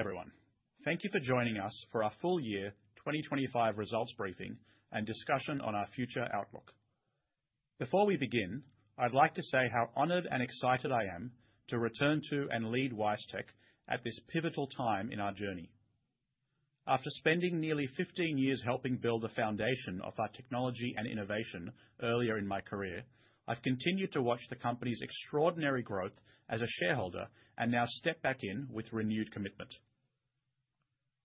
Everyone, thank you for joining us for our Full Year 2025 Results Briefing and Discussion on Our Future Outlook. Before we begin, I'd like to say how honored and excited I am to return to and lead WiseTech at this pivotal time in our journey. After spending nearly 15 years helping build the foundation of our technology and innovation earlier in my career, I've continued to watch the company's extraordinary growth as a shareholder and now step back in with renewed commitment.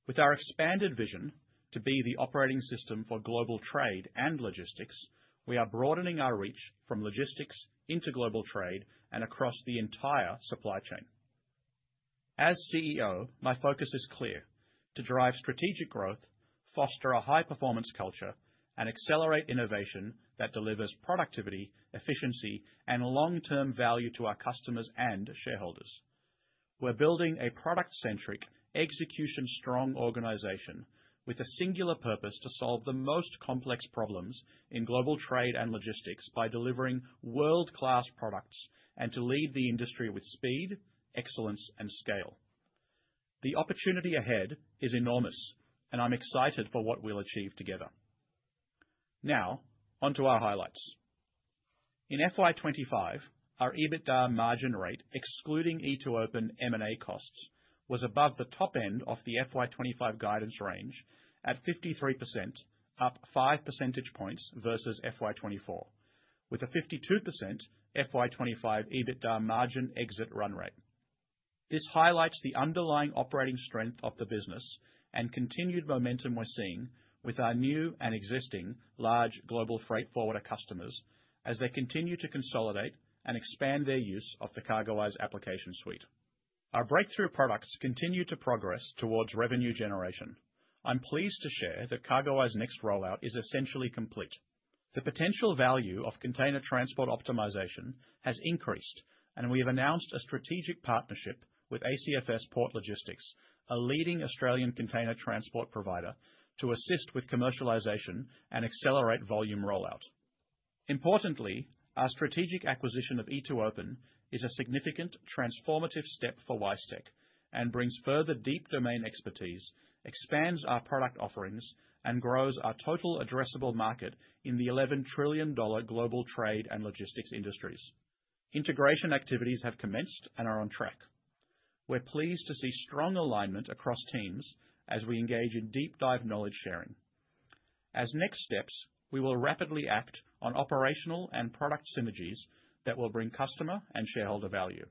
With our expanded vision to be the operating system for global trade and logistics, we are broadening our reach from logistics into global trade and across the entire supply chain. As CEO, my focus is clear: to drive strategic growth, foster a high performance culture, and accelerate innovation that delivers productivity, efficiency, and long term value to our customers and shareholders. We're building a product-centric, execution-strong organization with a singular purpose to solve the most complex problems in global trade and logistics by delivering world-class products and to lead the industry with speed, excellence, and scale. The opportunity ahead is enormous and I'm excited for what we'll achieve together. Now onto our highlights. In FY 2025, our EBITDA margin rate excluding e2open M&A costs was above the top end of the FY 2025 guidance range at 53%, up 5 percentage points versus FY 2024, with a 52% FY 2025 EBITDA margin exit run rate. This highlights the underlying operating strength of the business and continued momentum we're seeing with our new and existing large global freight forwarder customers as they continue to consolidate and expand their use of the CargoWise application suite. Our breakthrough products continue to progress towards revenue generation. I'm pleased to share that CargoWise Next rollout is essentially complete, the potential value of Container Transport Optimization has increased, and we have announced a strategic partnership with ACFS Port Logistics, a leading Australian container transport provider, to assist with commercialization and accelerate volume rollout. Importantly, our strategic acquisition of e2open is a significant transformative step for WiseTech and brings further deep domain expertise, expands our product offerings, and grows our total addressable market. In the $11 trillion global trade and logistics industries, integration activities have commenced and are on track. We're pleased to see strong alignment across teams as we engage in deep dive knowledge sharing. As next steps, we will rapidly act on operational and product synergies that will bring customer and shareholder value,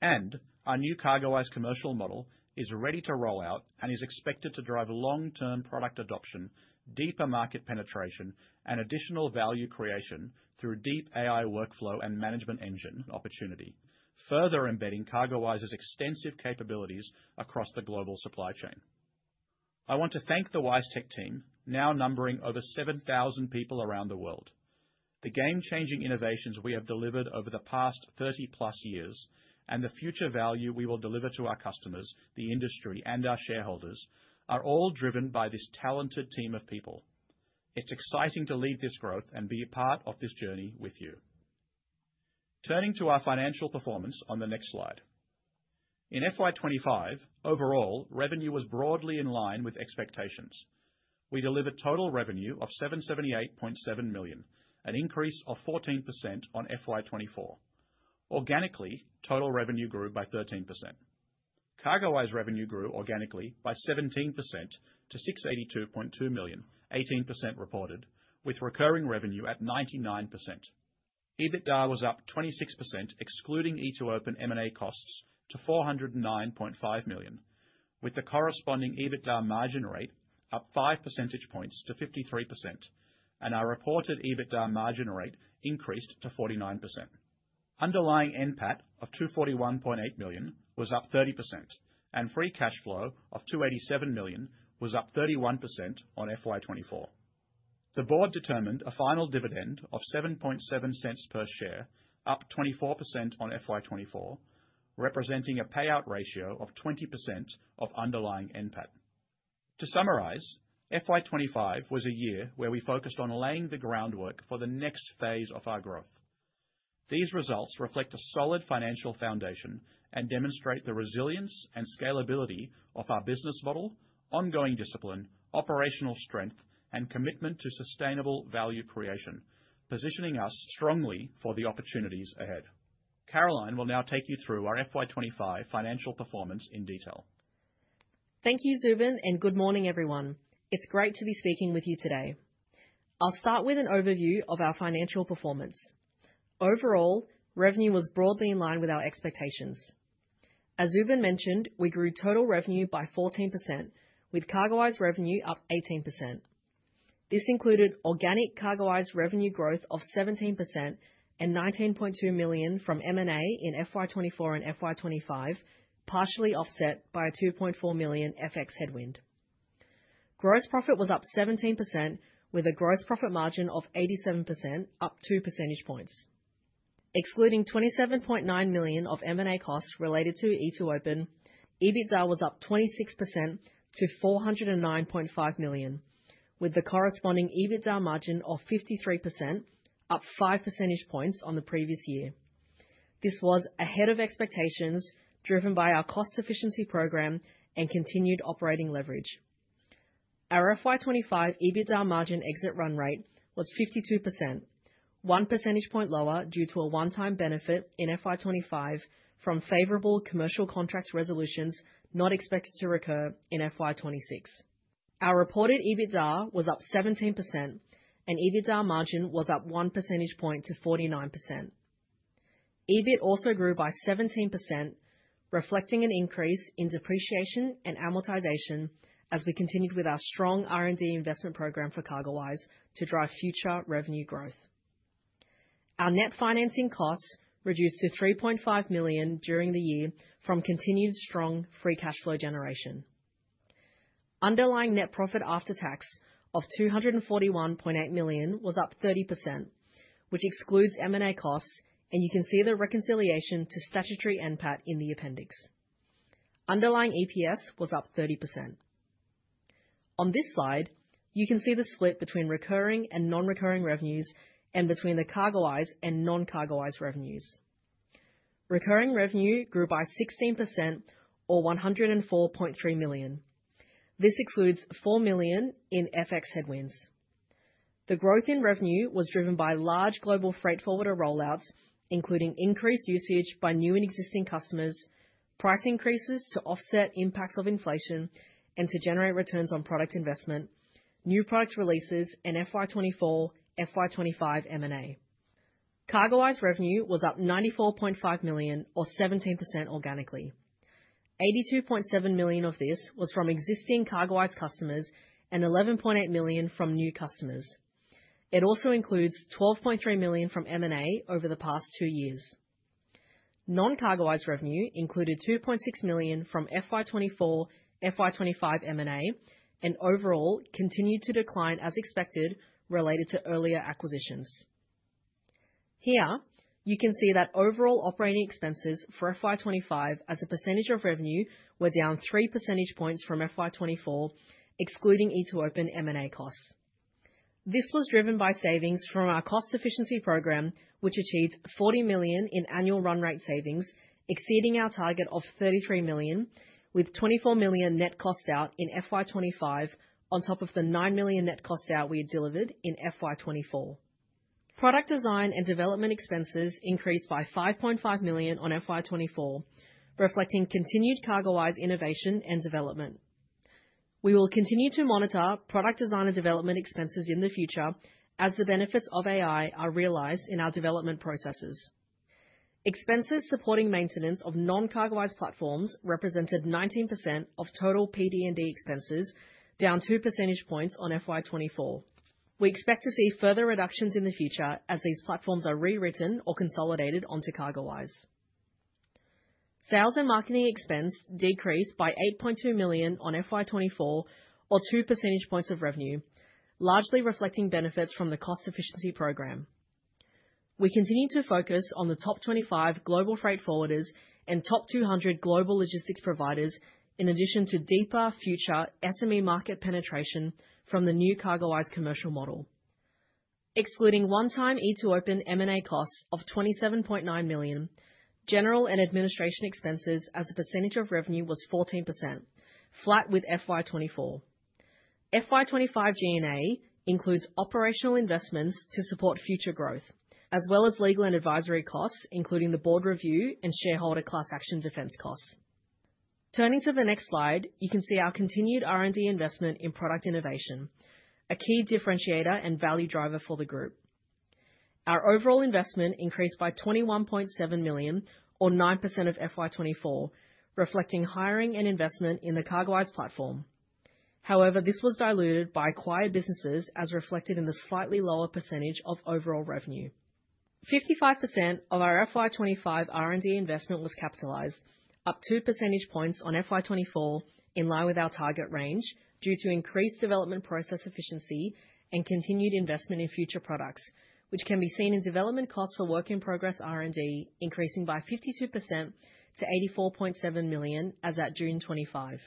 and our new CargoWise commercial model is ready to roll out and is expected to drive long term product adoption, deeper market penetration, and additional value creation through deep AI workflow and management engine opportunity, further embedding CargoWise's extensive capabilities across the global supply chain. I want to thank the WiseTech team, now numbering over 7,000 people around the world. The game-changing innovations we have delivered over the past 30+ years and the future value we will deliver to our customers, the industry, and our shareholders are all driven by this talented team of people. It's exciting to lead this growth and be a part of this journey with you. Turning to our financial performance on the next slide, in FY 2025, overall revenue was broadly in line with expectations. We delivered total revenue of $778.7 million, an increase of 14% on FY 2024. Organically, total revenue grew by 13%. CargoWise revenue grew organically by 17% to $682.2 million, reported with recurring revenue at 99%. EBITDA was up 26% excluding e2open M&A costs to $409.5 million, with the corresponding EBITDA margin rate up 5 percentage points to 53%, and our reported EBITDA margin rate increased to 49%. Underlying NPAT of $241.8 million was up 30%, and free cash flow of $287 million was up 31% on FY 2024. The board determined a final dividend of $0.077 per share, up 24% on FY 2024, representing a payout ratio of 20% of underlying NPAT. To summarize, FY 2025 was a year where we focused on laying the groundwork for the next phase of our growth. These results reflect a solid financial foundation and demonstrate the resilience and scalability of our business model. Ongoing discipline, operational strength, and commitment to sustainable value creation position us strongly for the opportunities ahead. Caroline will now take you through our FY 2025 financial performance in detail. Thank you Zubin and good morning everyone. It's great to be speaking with you today. I'll start with an overview of our financial performance. Overall revenue was broadly in line with our expectations. As Zubin mentioned, we grew total revenue by 14% with CargoWise revenue up 18%. This included organic CargoWise revenue growth of 17% and $19.2 million from M&A in FY 2024 and FY 2025, partially offset by a $2.4 million FX headwind. Gross profit was up 17% with a gross profit margin of 87%, up 2 percentage points. Excluding $27.9 million of M&A costs related to e2open, EBITDA was up 26% to $409.5 million with the corresponding EBITDA margin of 53%, up 5 percentage points on the previous year. This was ahead of expectations driven by our cost efficiency program and continued operating leverage. Our FY 2025 EBITDA margin exit run rate was 52%, 1 percentage point lower due to a one-time benefit in FY 2025 from favorable commercial contracts resolutions not expected to recur in FY 2026. Our reported EBITDA was up 17% and EBITDA margin was up 1 percentage point to 49%. EBIT also grew by 17% reflecting an increase in depreciation and amortization as we continued with our strong R&D investment program for CargoWise to drive future revenue growth. Our net financing costs reduced to $3.5 million during the year from continued strong free cash flow generation. Underlying net profit after tax of $241.8 million was up 30% which excludes M&A costs and you can see the reconciliation to statutory NPAT in the Appendix. Underlying EPS was up 30%. On this slide you can see the split between recurring and non-recurring revenues and between the CargoWise and non-CargoWise revenues. Recurring revenue grew by 16% or $104.3 million. This excludes $4 million in FX headwinds. The growth in revenue was driven by large global freight forwarder rollouts including increased usage by new and existing customers, price increases to offset impacts of inflation and to generate returns on product investment, new product releases and FY 2024-FY 2025 M&A. CargoWise revenue was up $94.5 million or 17%. Organically, $82.7 million of this was from existing CargoWise customers and $11.8 million from new customers. It also includes $12.3 million from M&A over the past two years. Non-CargoWise revenue included $2.6 million from FY 2024-FY 2025 M&A and overall continued to decline as expected related to earlier acquisitions. Here you can see that overall operating expenses for FY 2025 as a percentage of revenue were down 3 percentage points from FY 2024 excluding e2open M&A costs. This was driven by savings from our cost efficiency program, which achieved $40 million in annual run-rate savings and exceeding our target of $33 million with $24 million net costs out in FY 2025 on top of the $9 million net cost out we had delivered in FY 2024. Product design and development expenses increased by $5.5 million on FY 2024, reflecting continued CargoWise innovation and development. We will continue to monitor product design and development expenses in the future as the benefits of AI are realized in our development processes. Expenses supporting maintenance of non-CargoWise platforms represented 19% of total PD&D expenses, down 2 percentage points on FY 2024. We expect to see further reductions in the future as these platforms are rewritten or consolidated onto CargoWise. Sales and marketing expense decreased by $8.2 million on FY 2024 or 2 percentage points of revenue, largely reflecting benefits from the cost efficiency program. We continue to focus on the top 25 global freight forwarders and top 200 global logistics providers in addition to deeper future SME market penetration from the new CargoWise commercial model, excluding one-time e2open M&A cost of $27.9 million. General and administration expenses as a percentage of revenue was 14%, flat with FY 2024. FY 2025 G&A includes operational investments to support future growth as well as legal and advisory costs including the board review and shareholder class action defense costs. Turning to the next slide, you can see our continued R&D investment in product innovation, a key differentiator and value driver for the group. Our overall investment increased by $21.7 million or 9% on FY 2024, reflecting hiring and investment in the CargoWise platform. However, this was diluted by acquired businesses as reflected in the slightly lower percentage of overall revenue. 55% of our FY 2025 R&D investment was capitalized, up 2 percentage points on FY 2024 in line with our target range due to increased development process efficiency and continued investment in future products, which can be seen in development costs for work in progress. R&D increasing by 52% to $84.7 million as at June 25.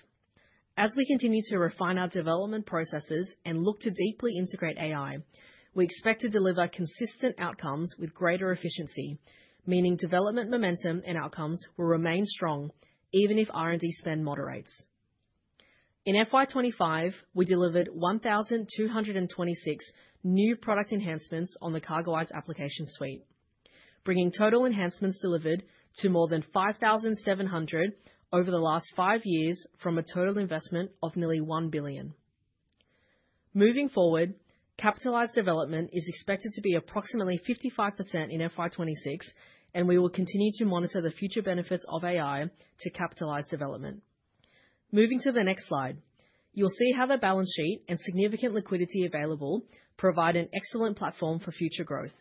As we continue to refine our development processes and look to deeply integrate AI, we expect to deliver consistent outcomes with greater efficiency, meaning development momentum and outcomes will remain strong even if R&D spend moderates. In FY 2025 we delivered 1,226 new product enhancements on the CargoWise application suite, bringing total enhancements delivered to more than 5,700 over the last five years from a total investment of nearly $1 billion. Moving forward, capitalized development is expected to be approximately 55% in FY 2026 and we will continue to monitor the future benefits of AI to capitalize development. Moving to the next slide, you'll see how the balance sheet and significant liquidity available provide an excellent platform for future growth.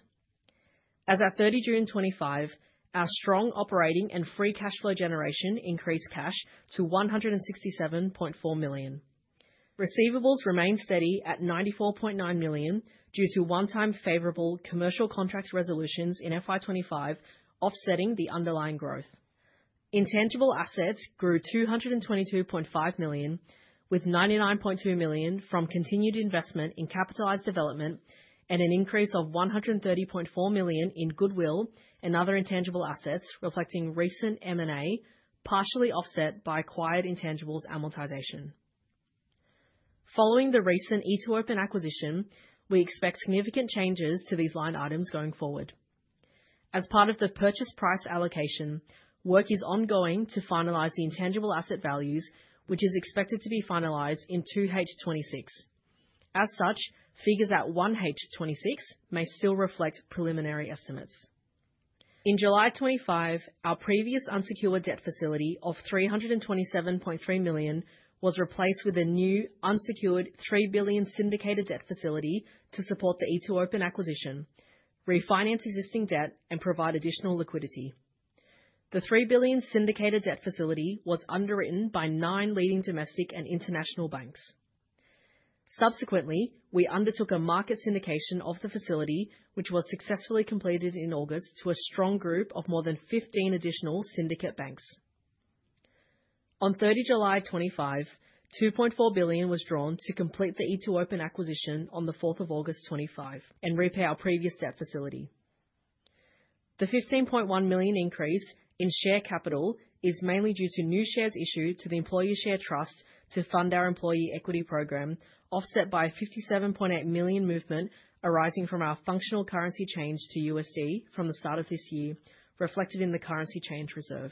As at 30 June 2025, our strong operating and free cash flow generation increased cash to $167.4 million. Receivables remained steady at $94.9 million due to one-time favorable commercial contracts resolutions in FY 2025. Offsetting the underlying growth, intangible assets grew $222.5 million with $99.2 million from continued investment in capitalized development and an increase of $130.4 million in goodwill and other intangible assets reflecting recent M&A, partially offset by acquired intangibles amortization following the recent e2open acquisition. We expect significant changes to these line items going forward as part of the purchase price allocation. Work is ongoing to finalize the intangible asset values, which is expected to be finalized in 2H 2026. As such, figures at 1H 2026 may still reflect preliminary estimates. In July 2025, our previous unsecured debt facility of $327.3 million was replaced with a new unsecured $3 billion syndicated debt facility to support the e2open acquisition, refinance existing debt, and provide additional liquidity. The $3 billion syndicated debt facility was underwritten by nine leading domestic and international banks. Subsequently, we undertook a market syndication of the facility, which was successfully completed in August to a strong group of more than 15 additional syndicate banks. On 30 July 2025, $2.4 billion was drawn to complete the e2open acquisition on 4th of August 2025 and repay our previous debt facility. The $15.1 million increase in share capital is mainly due to new shares issued to the employee share trust to fund our employee equity program, offset by a $57.8 million movement arising from our functional currency change to USD from the start of this year, reflected in the currency change reserve.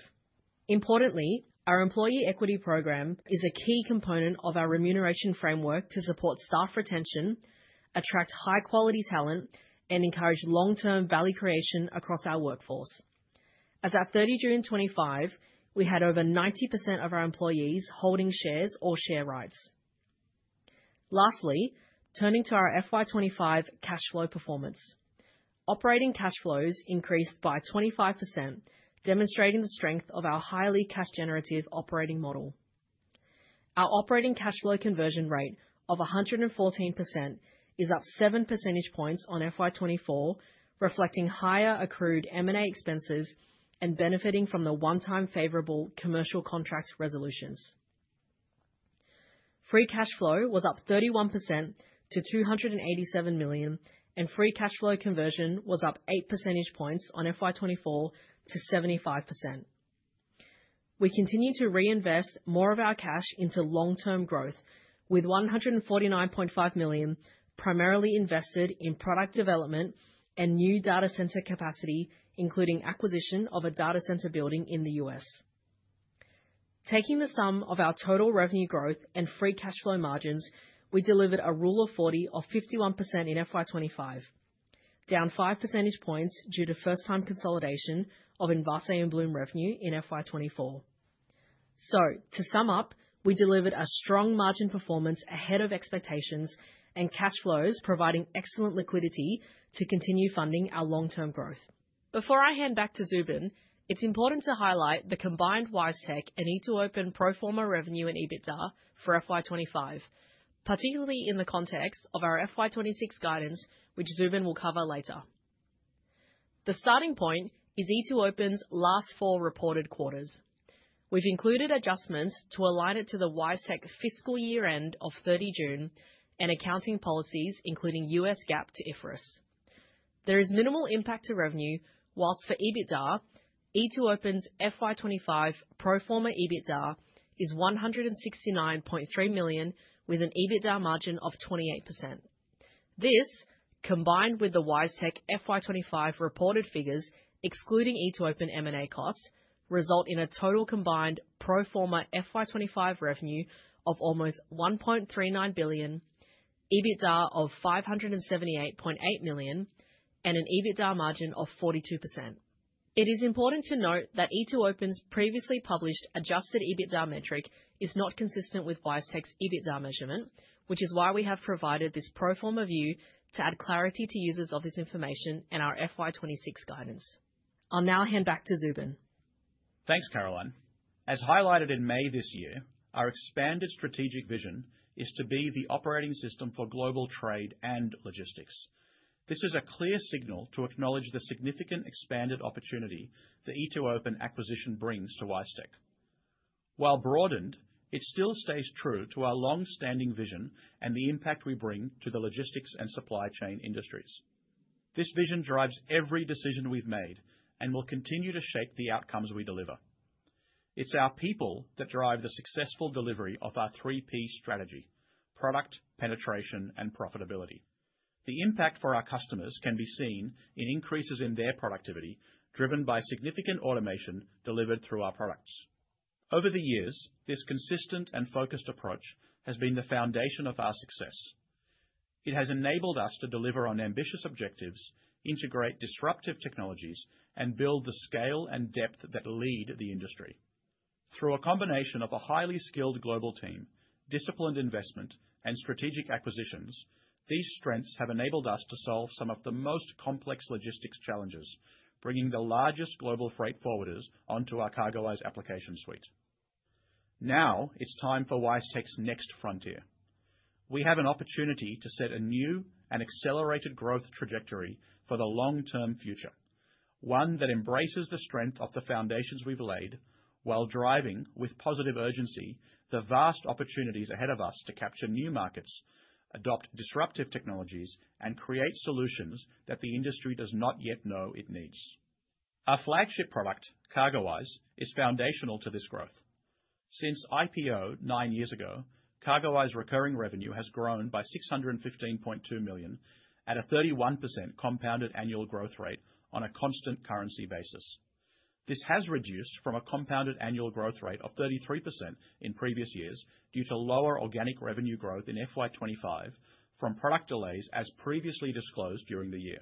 Importantly, our employee equity program is a key component of our remuneration framework to support staff retention, attract high quality talent, and encourage long term value creation across our workforce. As at 30 June, 2025, we had over 90% of our employees holding shares or share rights. Lastly, turning to our FY 2025 cash flow performance, operating cash flows increased by 25%, demonstrating the strength of our highly cash generative operating model. Our operating cash flow conversion rate of 114% is up 7 percentage points on FY 2024, reflecting higher accrued M&A expenses and benefiting from the one-time favorable commercial contract resolutions. Free cash flow was up 31% to $287 million, and free cash flow conversion was up 8 percentage points on FY 2024 to 75%. We continue to reinvest more of our cash into long term growth, with $149.5 million primarily invested in product development and new data center capacity, including acquisition of a data center building in the U.S. Taking the sum of our total revenue growth and free cash flow margins, we delivered a Rule of 40 of 51% in FY 2025, down 5 percentage points due to first time consolidation of Envase and Blume revenue in FY 2024. To sum up, we delivered a strong margin, performance ahead of expectations, and cash flows providing excellent liquidity to continue funding our long term growth. Before I hand back to Zubin, it's important to highlight the combined WiseTech and e2open pro forma revenue and EBITDA for FY 2025, particularly in the context of our FY 2026 guidance, which Zubin will cover later. The starting point is e2open's last four reported quarters. We've included adjustments to align it to the WiseTech fiscal year end of 30 June and accounting policies, including U.S. GAAP to IFRS. There is minimal impact to revenue, whilst for EBITDA, e2open's FY 2025 pro forma EBITDA is $169.3 million with an EBITDA margin of 28%. This, combined with the WiseTech FY 2025 reported figures excluding e2open M&A cost, results in a total combined pro forma FY 2025 revenue of almost $1.39 billion, EBITDA of $578.8 million, and an EBITDA margin of 42%. It is important to note that e2open's previously published adjusted EBITDA metric is not consistent with WiseTech's EBITDA measurement, which is why we have provided this pro forma view to add clarity to users of this information and our FY 2026 guidance. I'll now hand back to Zubin. Thanks Caroline. As highlighted in May this year, our expanded strategic vision is to be the operating system for global trade and logistics. This is a clear signal to acknowledge the significant expanded opportunity the e2open acquisition brings to WiseTech. While broadened, it still stays true to our long-standing vision and the impact we bring to the logistics and supply chain industries. This vision drives every decision we've made and will continue to shape the outcomes we deliver. It's our people that drive the successful delivery of our 3P product penetration and profitability. The impact for our customers can be seen in increases in their productivity driven by significant automation delivered through our products over the years. This consistent and focused approach has been the foundation of our success. It has enabled us to deliver on ambitious objectives, integrate disruptive technologies, and build the scale and depth that lead the industry through a combination of a highly skilled global team, disciplined investment, and strategic acquisitions. These strengths have enabled us to solve some of the most complex logistics challenges, bringing the largest global freight forwarders onto our CargoWise application suite. Now it's time for WiseTech's next frontier. We have an opportunity to set a new and accelerated growth trajectory for the long-term future, one that embraces the strength of the foundations we've laid while driving with positive urgency the vast opportunities ahead of us to capture new markets, adopt disruptive technologies, and create solutions that the industry does not yet know it needs. Our flagship product, CargoWise, is foundational to this growth. Since IPO nine years ago, CargoWise recurring revenue has grown by $615.2 million at a 31% compounded annual growth rate on a constant currency basis. This has reduced from a compounded annual growth rate of 33% in previous years due to lower organic revenue growth in FY 2025 from product delays. As previously disclosed during the year,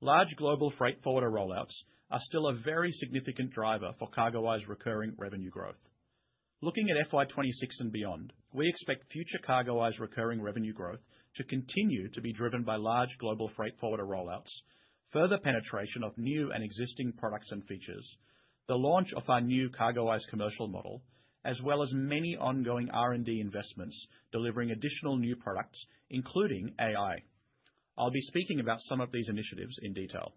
large global freight forwarder rollouts are still a very significant driver for CargoWise recurring revenue growth. Looking at FY 2026 and beyond, we expect future CargoWise recurring revenue growth to continue to be driven by large global freight forwarder rollouts, further penetration of new and existing products and features, the launch of our new CargoWise commercial model, as well as many ongoing R&D investments delivering additional new products including AI. I'll be speaking about some of these initiatives in detail.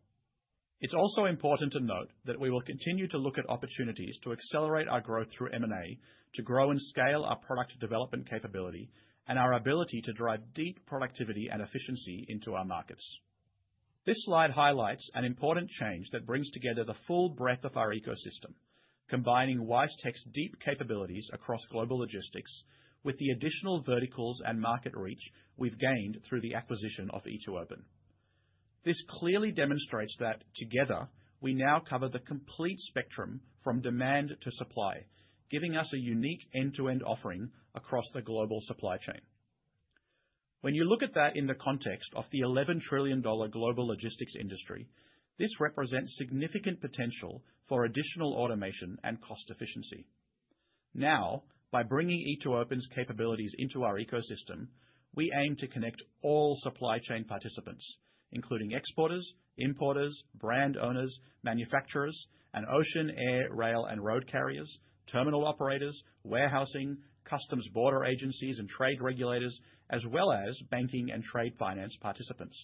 It's also important to note that we will continue to look at opportunities to accelerate our growth through material to grow and scale our product development capability and our ability to drive deep productivity and efficiency into our markets. This slide highlights an important change that brings together the full breadth of our ecosystem, combining WiseTech's deep capabilities across global logistics with the additional verticals and market reach we've gained through the acquisition of e2open. This clearly demonstrates that together we now cover the complete spectrum from demand to supply, giving us a unique end-to-end offering across the global supply chain. When you look at that in the context of the $11 trillion global logistics industry, this represents significant potential for additional automation and cost efficiency. Now, by bringing e2open's capabilities into our ecosystem, we aim to connect all supply chain participants including exporters, importers, brand owners, manufacturers, and ocean, air, rail, and road carriers, terminal operators, warehousing, customs, border agencies and trade regulators, as well as banking and trade finance participants.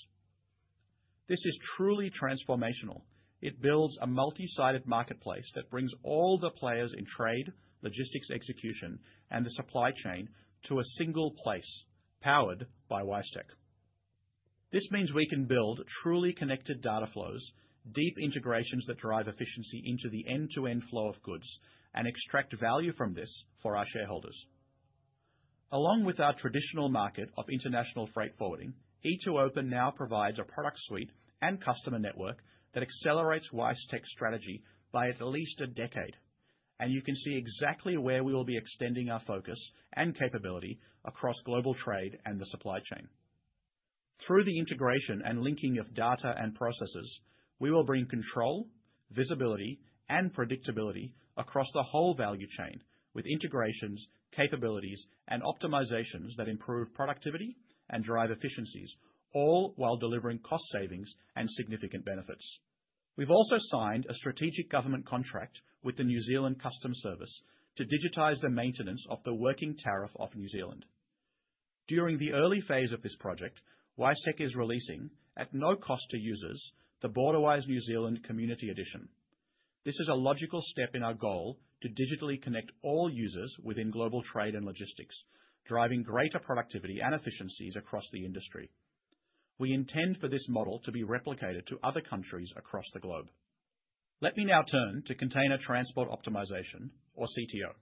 This is truly transformational. It builds a multi-sided marketplace that brings all the players in trade, logistics, execution, and the supply chain to a single place. Powered by WiseTech, this means we can build truly connected data flows, deep integrations that drive efficiency into the end-to-end flow of goods and extract value from this for our shareholders. Along with our traditional market of international freight forwarding, e2open now provides a product suite and customer network that accelerates WiseTech's strategy by at least a decade. You can see exactly where we will be extending our focus and capability across global trade and the supply chain. Through the integration and linking of data and processes, we will bring control, visibility, and predictability across the whole value chain with integrations, capabilities, and optimizations that improve productivity and drive efficiencies, all while delivering cost savings and significant benefits. We've also signed a strategic government contract with the New Zealand Customs Service to digitize the maintenance of the Working Tariff of New Zealand. During the early phase of this project, WiseTech is releasing, at no cost to users, the BorderWise New Zealand Community Edition. This is a logical step in our goal to digitally connect all users within global trade and logistics, driving greater productivity and efficiencies across the industry. We intend for this model to be replicated to other countries across the globe. Let me now turn to Container Transport Optimization, or CTO.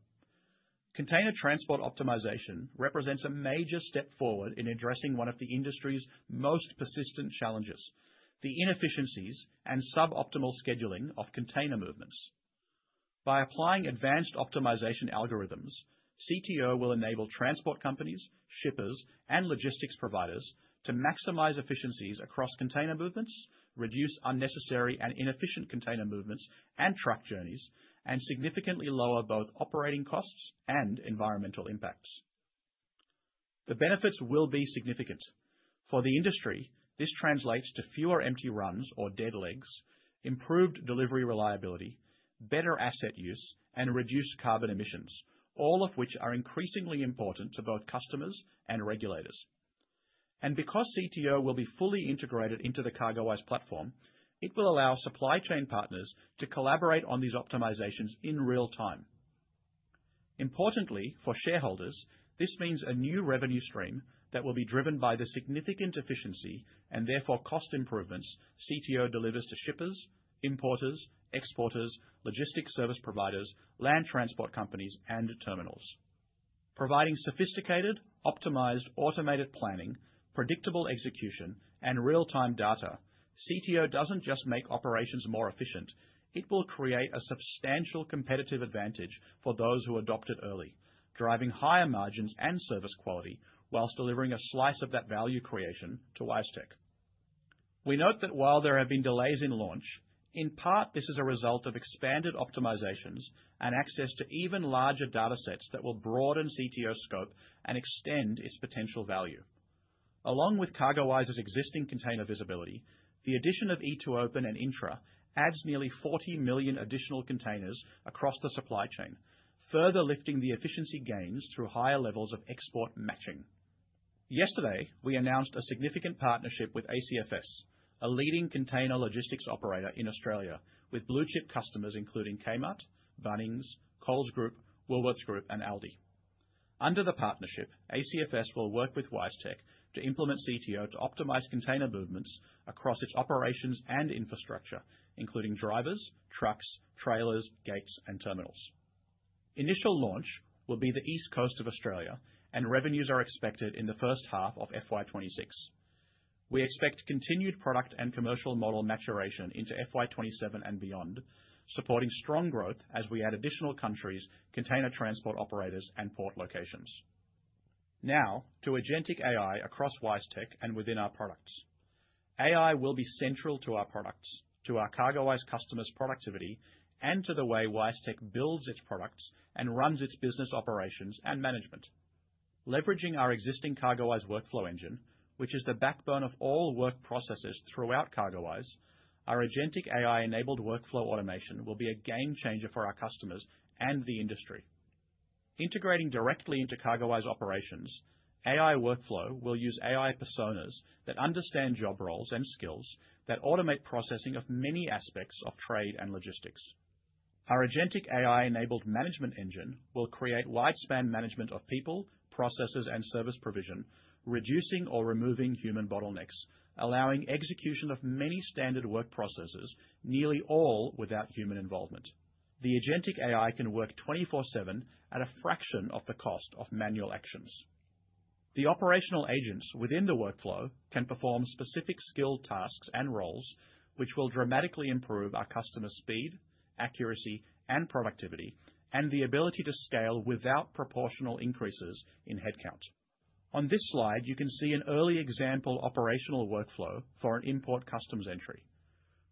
Container Transport Optimization represents a major step forward in addressing one of the industry's most persistent challenges, the inefficiencies and suboptimal scheduling of container movements. By applying advanced optimization algorithms, CTO will enable transport companies, shippers, and logistics providers to maximize efficiencies across container movements, reduce unnecessary and inefficient container movements and track journeys, and significantly lower both operating costs and environmental impacts. The benefits will be significant. For the industry, this translates to fewer empty runs or dead legs, improved delivery reliability, better asset use, and reduced carbon emissions, all of which are increasingly important to both customers and regulators. Because CTO will be fully integrated into the CargoWise platform, it will allow supply chain partners to collaborate on these optimizations in real time. Importantly for shareholders, this means a new revenue stream that will be driven by the significant efficiency and therefore cost improvements CTO delivers to shippers, importers, exporters, logistics service providers, land transport companies, and terminals, providing sophisticated, optimized automated planning, predictable execution, and real time data. CTO doesn't just make operations more efficient, it will create a substantial competitive advantage for those who adopt it early, driving higher margins and service quality whilst delivering a slice of that value creation to WiseTech. We note that while there have been delays in launch, in part this is a result of expanded optimizations and access to even larger data sets that will broaden CTO scope and extend its potential value. Along with CargoWise's existing container visibility, the addition of e2open and INTTRA adds nearly 40 million additional containers across the supply chain, further lifting the efficiency gains through higher levels of export matching. Yesterday we announced a significant partnership with ACFS, a leading container logistics operator in Australia, with blue chip customers including Kmart, Bunnings, Coles Group, Woolworths Group, and Aldi. Under the partnership, ACFS will work with WiseTech to implement CTO to optimize container movements across its operations and infrastructure, including drivers, trucks, trailers, gates, and terminals. Initial launch will be the east coast of Australia and revenues are expected in the first half of FY 2026. We expect continued product and commercial model maturation into FY 2027 and beyond, supporting strong growth as we add additional countries, container transport operators, and port locations. Now to agentic AI across WiseTech and within our products, AI will be central to our products, to our CargoWise customers' productivity, and to the way WiseTech builds its products and runs its business operations and management. Leveraging our existing CargoWise workflow engine, which is the backbone of all work processes throughout CargoWise, our agentic AI-enabled workflow automation will be a game changer for our customers and the industry, integrating directly into CargoWise operations. AI workflow will use AI personas that understand job roles and skills that automate processing of many aspects of trade and logistics. Our agentic AI-enabled management engine work will create widespan management of people, processes, and service provision, reducing or removing human bottlenecks, allowing execution of many standard work processes, nearly all without human involvement. The agentic AI AI can work 24/7 at a fraction of the cost of manual actions. The operational agents within the workflow can perform specific skill tasks and roles, which will dramatically improve our customer speed, accuracy, and productivity, and the ability to scale without proportional increases in headcount. On this slide you can see an early example operational workflow for an import customs entry.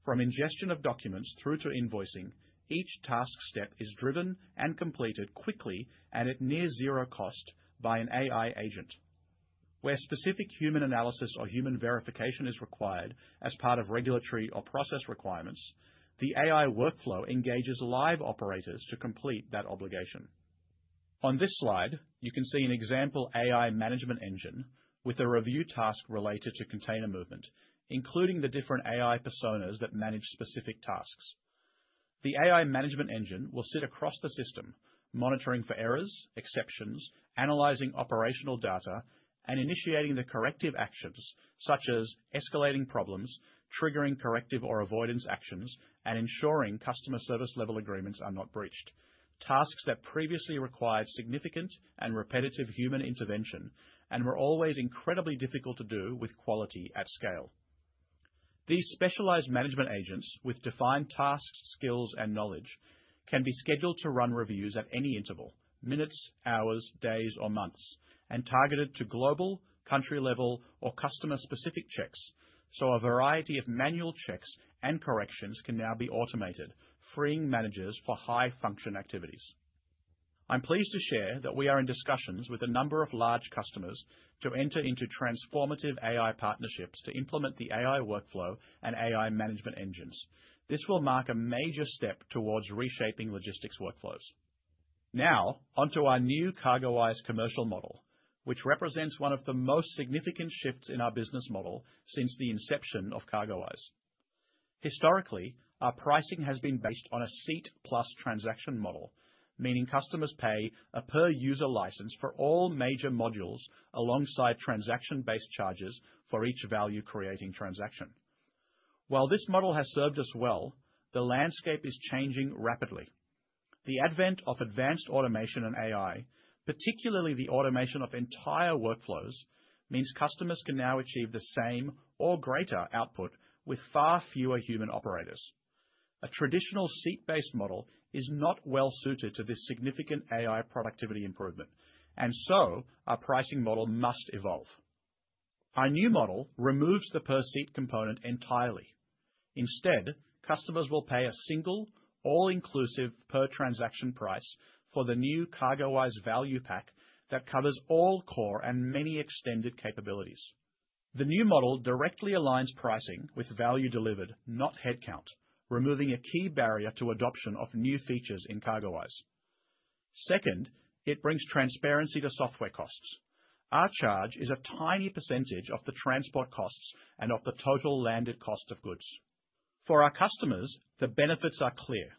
From ingestion of documents through to invoicing, each task step is driven and completed quickly and at near zero cost by an AI agent. Where specific human analysis or human verification is required as part of regulatory or process requirements, the AI workflow engages live operators to complete that obligation. On this slide you can see an example AI management engine with a review task related to container movement, including the different AI personas that manage specific tasks. The AI management engine will sit across the system, monitoring for errors, exceptions, analyzing operational data, and initiating the corrective actions such as escalating problems, triggering corrective or avoidance actions, and ensuring customer service level agreements are not breached. Tasks that previously required significant and repetitive human intervention were always incredibly difficult to do with quality at scale. These specialized management agents with defined tasks, skills, and knowledge can be scheduled to run reviews at any interval: minutes, hours, days, or months, and targeted to global, country level, or customer specific checks. A variety of manual checks and corrections can now be automated, freeing managers for high function activities. I'm pleased to share that we are in discussions with a number of large customers to enter into transformative AI partnerships to implement the AI workflow and AI management engines. This will mark a major step towards reshaping logistics workflows. Now onto our new CargoWise commercial model, which represents one of the most significant shifts in our business model since the inception of CargoWise. Historically, our pricing has been based on a seat plus transaction model, meaning customers pay a per user license for all major modules alongside transaction-based charges for each value creating transaction. While this model has served us well, the landscape is changing rapidly. The advent of advanced automation and AI, particularly the automation of entire workflows, means customers can now achieve the same or greater output with far fewer human operators. A traditional seat-based model is not well suited to this significant AI productivity improvement, and our pricing model must evolve. Our new model removes the per seat component entirely. Instead, customers will pay a single all-inclusive per transaction price for the new CargoWise Value Pack that covers all core and many extended capabilities. The new model directly aligns pricing with value delivered, not headcount, removing a key barrier to adoption of new features in CargoWise. Second, it brings transparency to software costs. Our charge is a tiny percentage of the transport costs and of the total landed cost of goods for our customers. The benefits are clear.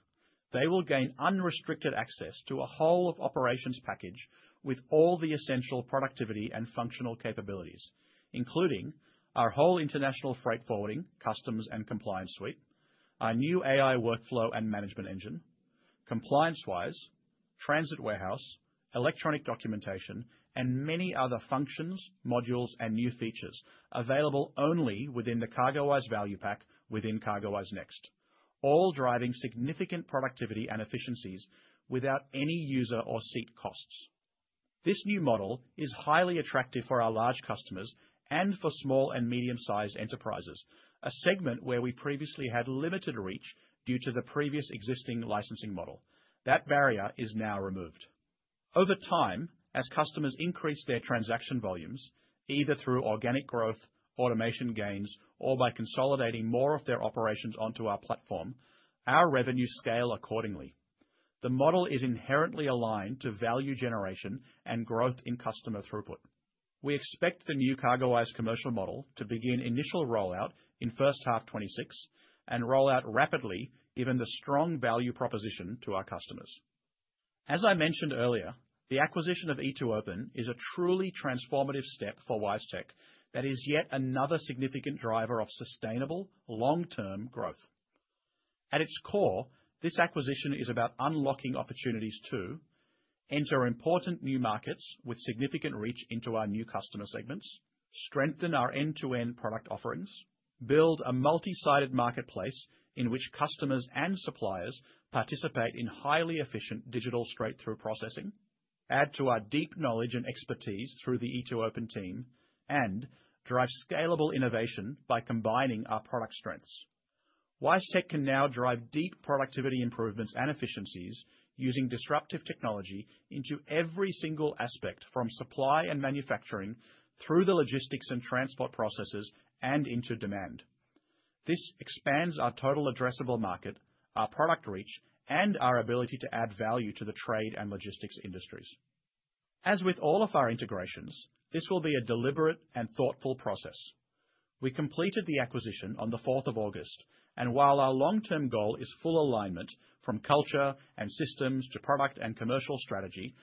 They will gain unrestricted access to a whole of operations package with all the essential productivity and functional capabilities including our whole international freight forwarding, customs and compliance suite, our new AI workflow and management engine, ComplianceWise, transit warehouse, electronic documentation and many other functions, modules and new features available only within the CargoWise Value Pack within CargoWise Next, all driving significant productivity and efficiencies without any user or seat costs. This new model is highly attractive for our large customers and for small and medium sized enterprises, a segment where we previously had limited reach due to the previous existing licensing model. That barrier is now removed over time. As customers increase their transaction volumes either through organic growth, automation gains, or by consolidating more of their operations onto our platform, our revenues scale accordingly. The model is inherently aligned to value generation and growth in customer throughput. We expect the new CargoWise commercial model to begin initial rollout in first half 2026 and roll out rapidly given the strong value proposition to our customers. As I mentioned earlier, the acquisition of e2open is a truly transformative step for WiseTech that is yet another significant driver of sustainable long term growth. At its core, this acquisition is about unlocking opportunities to enter important new markets with significant reach into our new customer segments, strengthen our end to end product offerings, build a multi sided marketplace in which customers and suppliers participate in highly efficient digital straight through processing, add to our deep knowledge and expertise through the e2open team and drive scalable innovation. By combining our product strengths, WiseTech can now drive deep productivity improvements and efficiencies using disruptive technology into every single aspect from supply and manufacturing, through the logistics and transport processes and into demand. This expands our total addressable market, our product reach, and our ability to add value to the trade and logistics industries. As with all of our integrations, this will be a deliberate and thoughtful process. We completed the acquisition on the 4th of August, and while our long-term goal is full alignment from culture and systems to product and commercial strategy,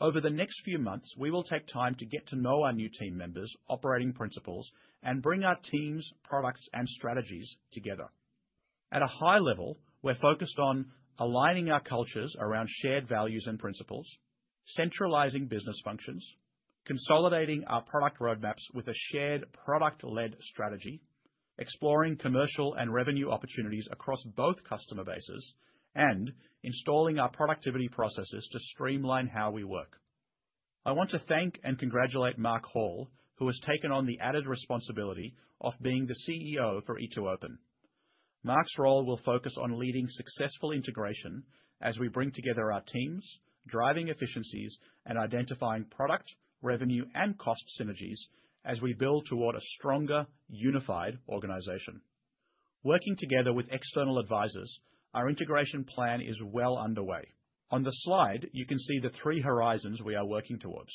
over the next few months we will take time to get to know our new team members, operating principles, and bring our teams, products, and strategies together at a high level. We're focused on aligning our cultures around shared values and principles, centralizing business functions, consolidating our product roadmaps with a shared product-led strategy, exploring commercial and revenue opportunities across both customer bases, and installing our productivity processes to streamline how we work. I want to thank and congratulate Mark Hall, who has taken on the added responsibility of being the CEO for e2open. Mark's role will focus on leading successful integration as we bring together our teams, driving efficiencies, and identifying product, revenue, and cost synergies as we build toward a stronger, unified organization. Working together with external advisors, our integration plan is well underway. On the slide, you can see the three horizons we are working towards.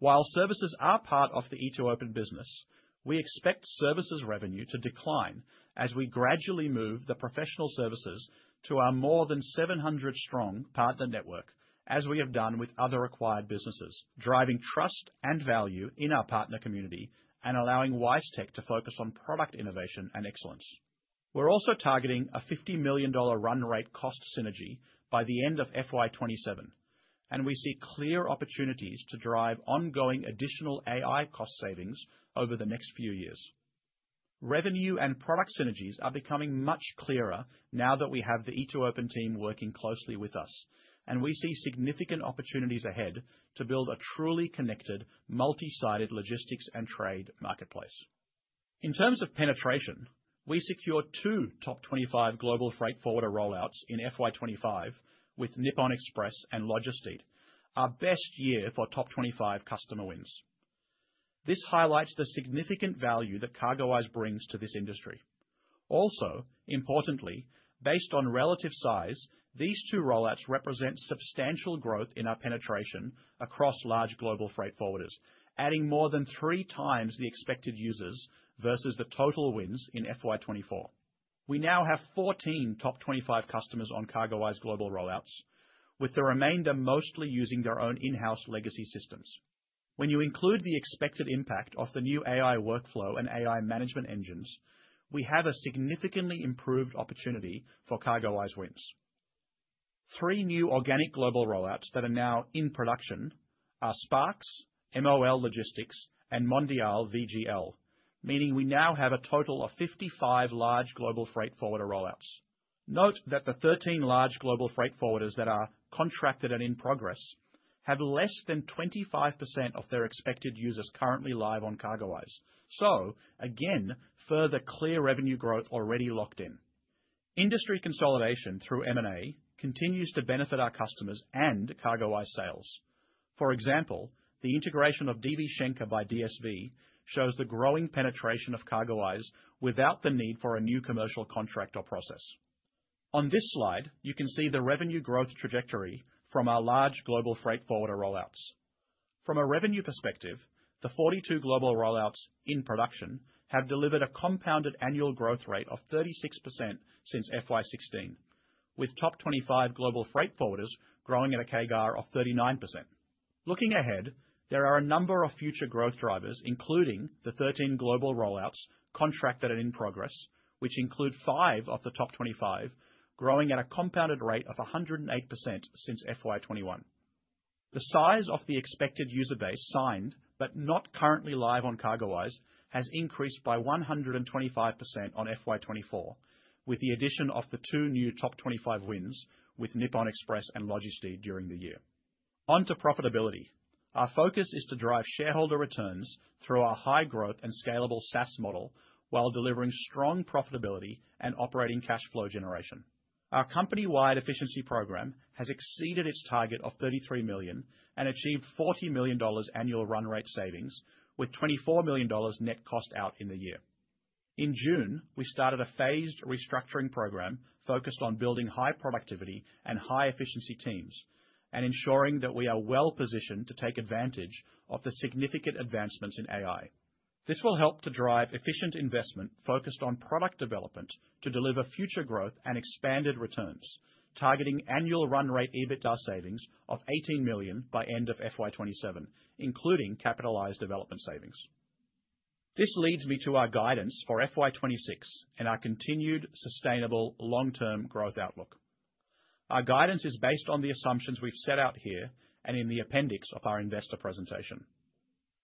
While services are part of the e2open business, we expect services revenue to decline as we gradually move the professional services to our more than 700-strong partner network as we have done with other acquired businesses, driving trust and value in our partner community and allowing WiseTech to focus on product innovation and excellence. We're also targeting a $50 million run-rate cost synergy by the end of FY 2027, and we see clear opportunities to drive ongoing additional AI cost savings over the next few years. Revenue and product synergies are becoming much clearer now that we have the e2open team working closely with us, and we see significant opportunities ahead to build a truly connected multi-sided logistics and trade marketplace. In terms of penetration, we secured two top-25 global freight forwarder rollouts in FY 2025 with Nippon Express and LOGISTEED, our best year for top-25 customer wins. This highlights the significant value that CargoWise brings to this industry. Also importantly, based on relative size, these two rollouts represent substantial growth in our penetration across large global freight forwarders, adding more than 3x the expected users versus the total wins in FY 2024. We now have 14 top 25 customers on CargoWise global rollouts with the remainder mostly using their own in-house legacy systems. When you include the expected impact of the new AI workflow and AI management engines, we have a significantly improved opportunity for CargoWise wins. Three new organic global rollouts that are now in production are SPARX, MOL Logistics, and Mondiale VGL, meaning we now have a total of 55 large global freight forwarder rollouts. Note that the 13 large global freight forwarders that are contracted and in progress have less than 25% of their expected users currently live on CargoWise. Again, further clear revenue growth is already locked in. Industry consolidation through material continues to benefit our customers and CargoWise sales. For example, the integration of DB Schenker by DSV shows the growing penetration of CargoWise without the need for a new commercial contract or process. On this slide, you can see the revenue growth trajectory from our large global freight forwarder rollouts. From a revenue perspective, the 42 global rollouts in production have delivered a compounded annual growth rate of 36% since FY 2016, with top 25 global freight forwarders growing at a CAGR of 39%. Looking ahead, there are a number of future growth drivers including the 13 global rollouts contracted that are in progress, which include five of the top 25 growing at a compounded rate of 108% since FY 2021. The size of the expected user base signed but not currently live on CargoWise has increased by 125% on FY 2024 with the addition of the two new top 25 wins with Nippon Express and LOGISTEED during the year. On to profitability, our focus is to drive shareholder returns through our high growth and scalable SaaS model while delivering strong profitability and operating cash flow generation. Our company-wide efficiency program has exceeded its target of $33 million and achieved $40 million annual run-rate savings with $24 million net cost out in the year. In June, we started a phased restructuring program focused on building high productivity and high efficiency teams and ensuring that we are well positioned to take advantage of the significant advancements in AI. This will help to drive efficient investment focused on product development to deliver future growth and expanded returns targeting annual run-rate EBITDA savings of $18 million by end of FY 2027 including capitalized development savings. This leads me to our guidance for FY 2026 and our continued sustainable long-term growth outlook. Our guidance is based on the assumptions we've set out here and in the appendix of our investor presentation.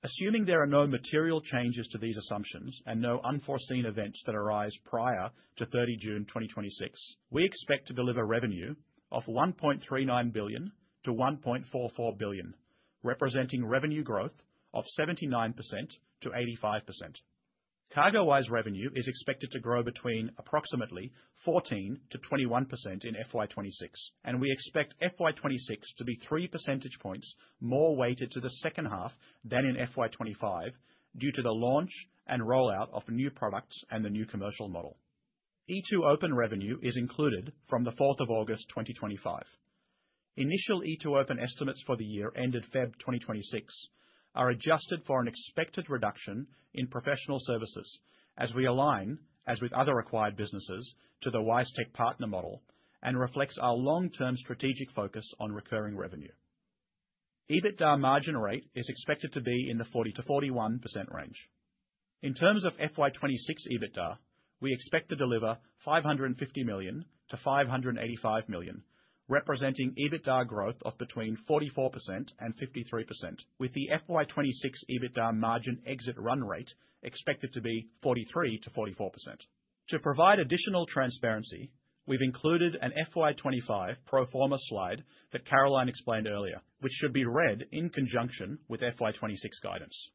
Assuming there are no material changes to these assumptions and no unforeseen events that arise prior to 30 June 2026, we expect to deliver revenue of $1.39 billion-$1.44 billion representing revenue growth of 79%-85%. CargoWise revenue is expected to grow between approximately 14%-21% in FY 2026 and we expect FY 2026 to be 3 percentage points more weighted to the second half than in FY 2025 due to the launch and rollout of new products and the new commercial model. e2open revenue is included from the 4th of August 2025. Initial e2open estimates for the year ended February 2026 are adjusted for an expected reduction in professional services as we align, as with other acquired businesses, to the WiseTech partner model and reflects our long-term strategic focus on recurring revenue. EBITDA margin rate is expected to be in the 40%-41% range. In terms of FY 2026 EBITDA, we expect to deliver $550 million-$585 million representing EBITDA growth of between 44% and 53% with the FY 2026 EBITDA margin exit run-rate expected to be 43%-44%. To provide additional transparency, we've included an FY 2025 pro forma slide that Caroline explained earlier, which should be read in conjunction with FY 2026 guidance.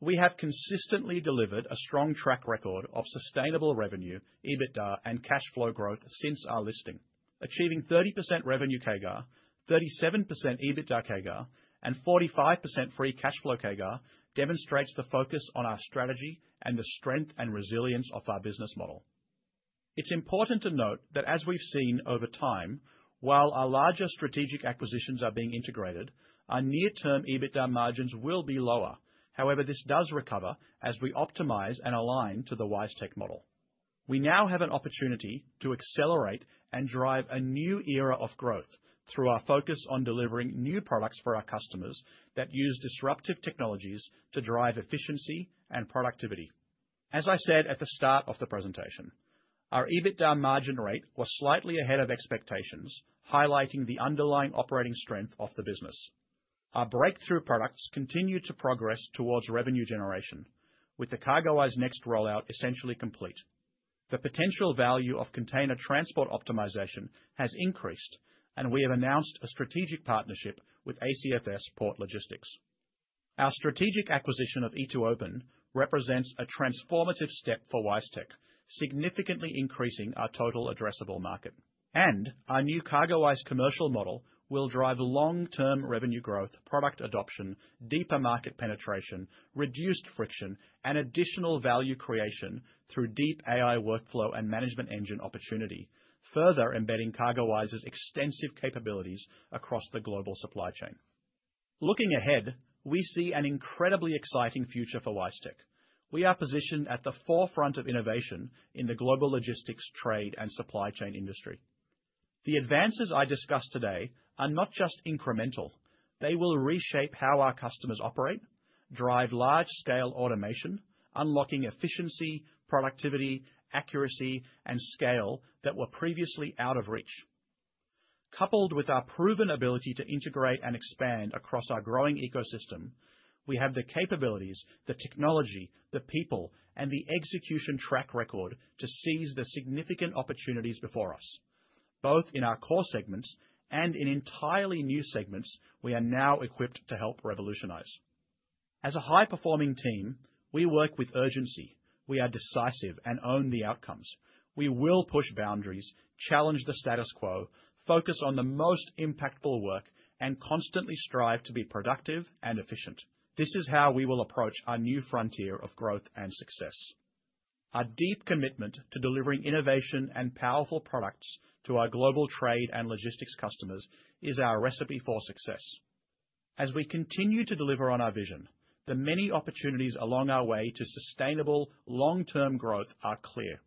We have consistently delivered a strong track record of sustainable revenue and EBITDA and cash flow growth since our listing, achieving 30% revenue CAGR, 37% EBITDA CAGR and 45% free cash flow CAGR demonstrates the focus on our strategy and the strength and resilience of our business model. It's important to note that as we've seen over time, while our larger strategic acquisitions are being integrated, our near-term EBITDA margins will be lower. However, this does recover as we optimize and align to the WiseTech model. We now have an opportunity to accelerate and drive a new era of growth through our focus on delivering new products for our customers that use disruptive technologies to drive efficiency and productivity. As I said at the start of the presentation, our EBITDA margin rate was slightly ahead of expectations, highlighting the underlying operating strength of the business. Our breakthrough products continue to progress towards revenue generation. With the CargoWise Next rollout essentially complete, the potential value of Container Transport Optimization has increased, and we have announced a strategic partnership with ACFS Port Logistics. Our strategic acquisition of e2open represents a transformative step for WiseTech, significantly increasing our total addressable market, and our new CargoWise commercial model will drive long-term revenue growth, product adoption, deeper market penetration, reduced friction, and additional value creation through deep AI workflow and management engine opportunity, further embedding CargoWise's extensive capabilities across the global supply chain. Looking ahead, we see an incredibly exciting future for WiseTech. We are positioned at the forefront of innovation in the global logistics, trade, and supply chain industry. The advances I discussed today are not just incremental, they will reshape how our customers operate, drive large-scale automation, unlocking efficiency, productivity, accuracy, and scale that were previously out of reach. Coupled with our proven ability to integrate and expand across our growing ecosystem, we have the capabilities, the technology, the people, and the execution track record to seize the significant opportunities before us both in our core segments and in entirely new segments. We are now equipped to help revolutionize. As a high-performing team, we work with urgency. We are decisive and own the outcomes. We will push boundaries, challenge the status quo, focus on the most impactful work, and constantly strive to be productive and efficient. This is how we will approach our new frontier of growth and success. Our deep commitment to delivering innovation and powerful products to our global trade and logistics customers is our recipe for success. As we continue to deliver on our vision, the many opportunities along our way to sustainable long-term growth are clear.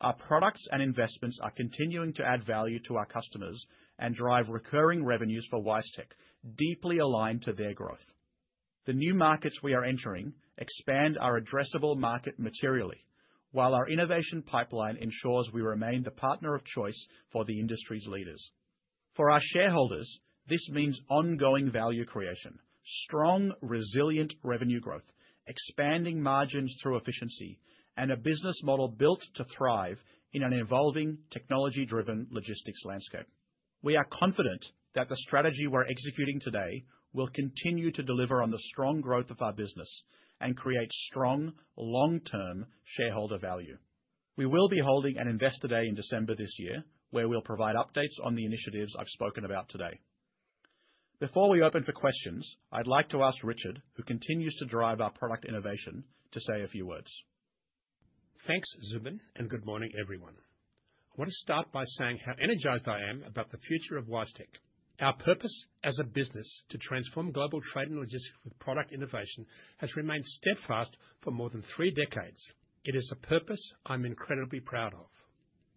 Our products and investments are continuing to add value to our customers and drive recurring revenues for WiseTech, deeply aligned to their growth. The new markets we are entering expand our addressable market materially, while our innovation pipeline ensures we remain the partner of choice for the industry's leaders. For our shareholders this means ongoing value creation, strong resilient revenue growth, expanding margins through efficiency, and a business model built to thrive in an evolving technology-driven logistics landscape. We are confident that the strategy we're executing today will continue to deliver on the strong growth of our business and create strong long-term shareholder value. We will be holding an Investor Day in December this year where we'll provide updates on the initiatives I've spoken about today. Before we open for questions, I'd like to ask Richard, who continues to drive our product innovation, to say a few words. Thanks Zubin and good morning everyone. I want to start by saying how energized I am about the future of WiseTech. Our purpose as a business to transform global trade and logistics with product innovation has remained steadfast for more than three decades. It is a purpose I'm incredibly proud of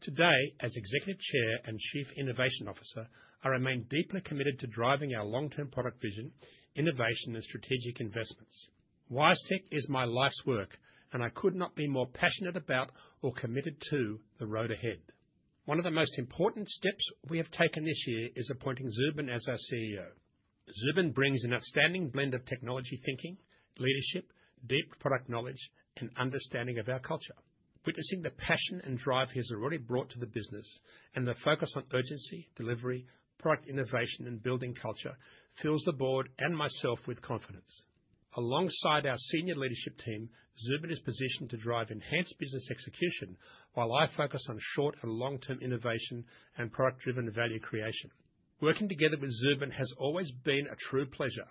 today. As Executive Chair and Chief Innovation Officer, I remain deeply committed to driving our long term product vision, innovation, and strategic investments. WiseTech is my life's work and I could not be more passionate about or committed to the road ahead. One of the most important steps we have taken this year is appointing Zubin as our CEO. Zubin brings an outstanding blend of technology thinking, leadership, deep product knowledge, and understanding of our culture. Witnessing the passion and drive he has already brought to the business and the focus on urgency, delivery, product innovation, and building culture fills the Board and myself with confidence. Alongside our senior leadership team, Zubin is positioned to drive enhanced business execution while I focus on short and long term innovation and product driven value creation. Working together with Zubin has always been a true pleasure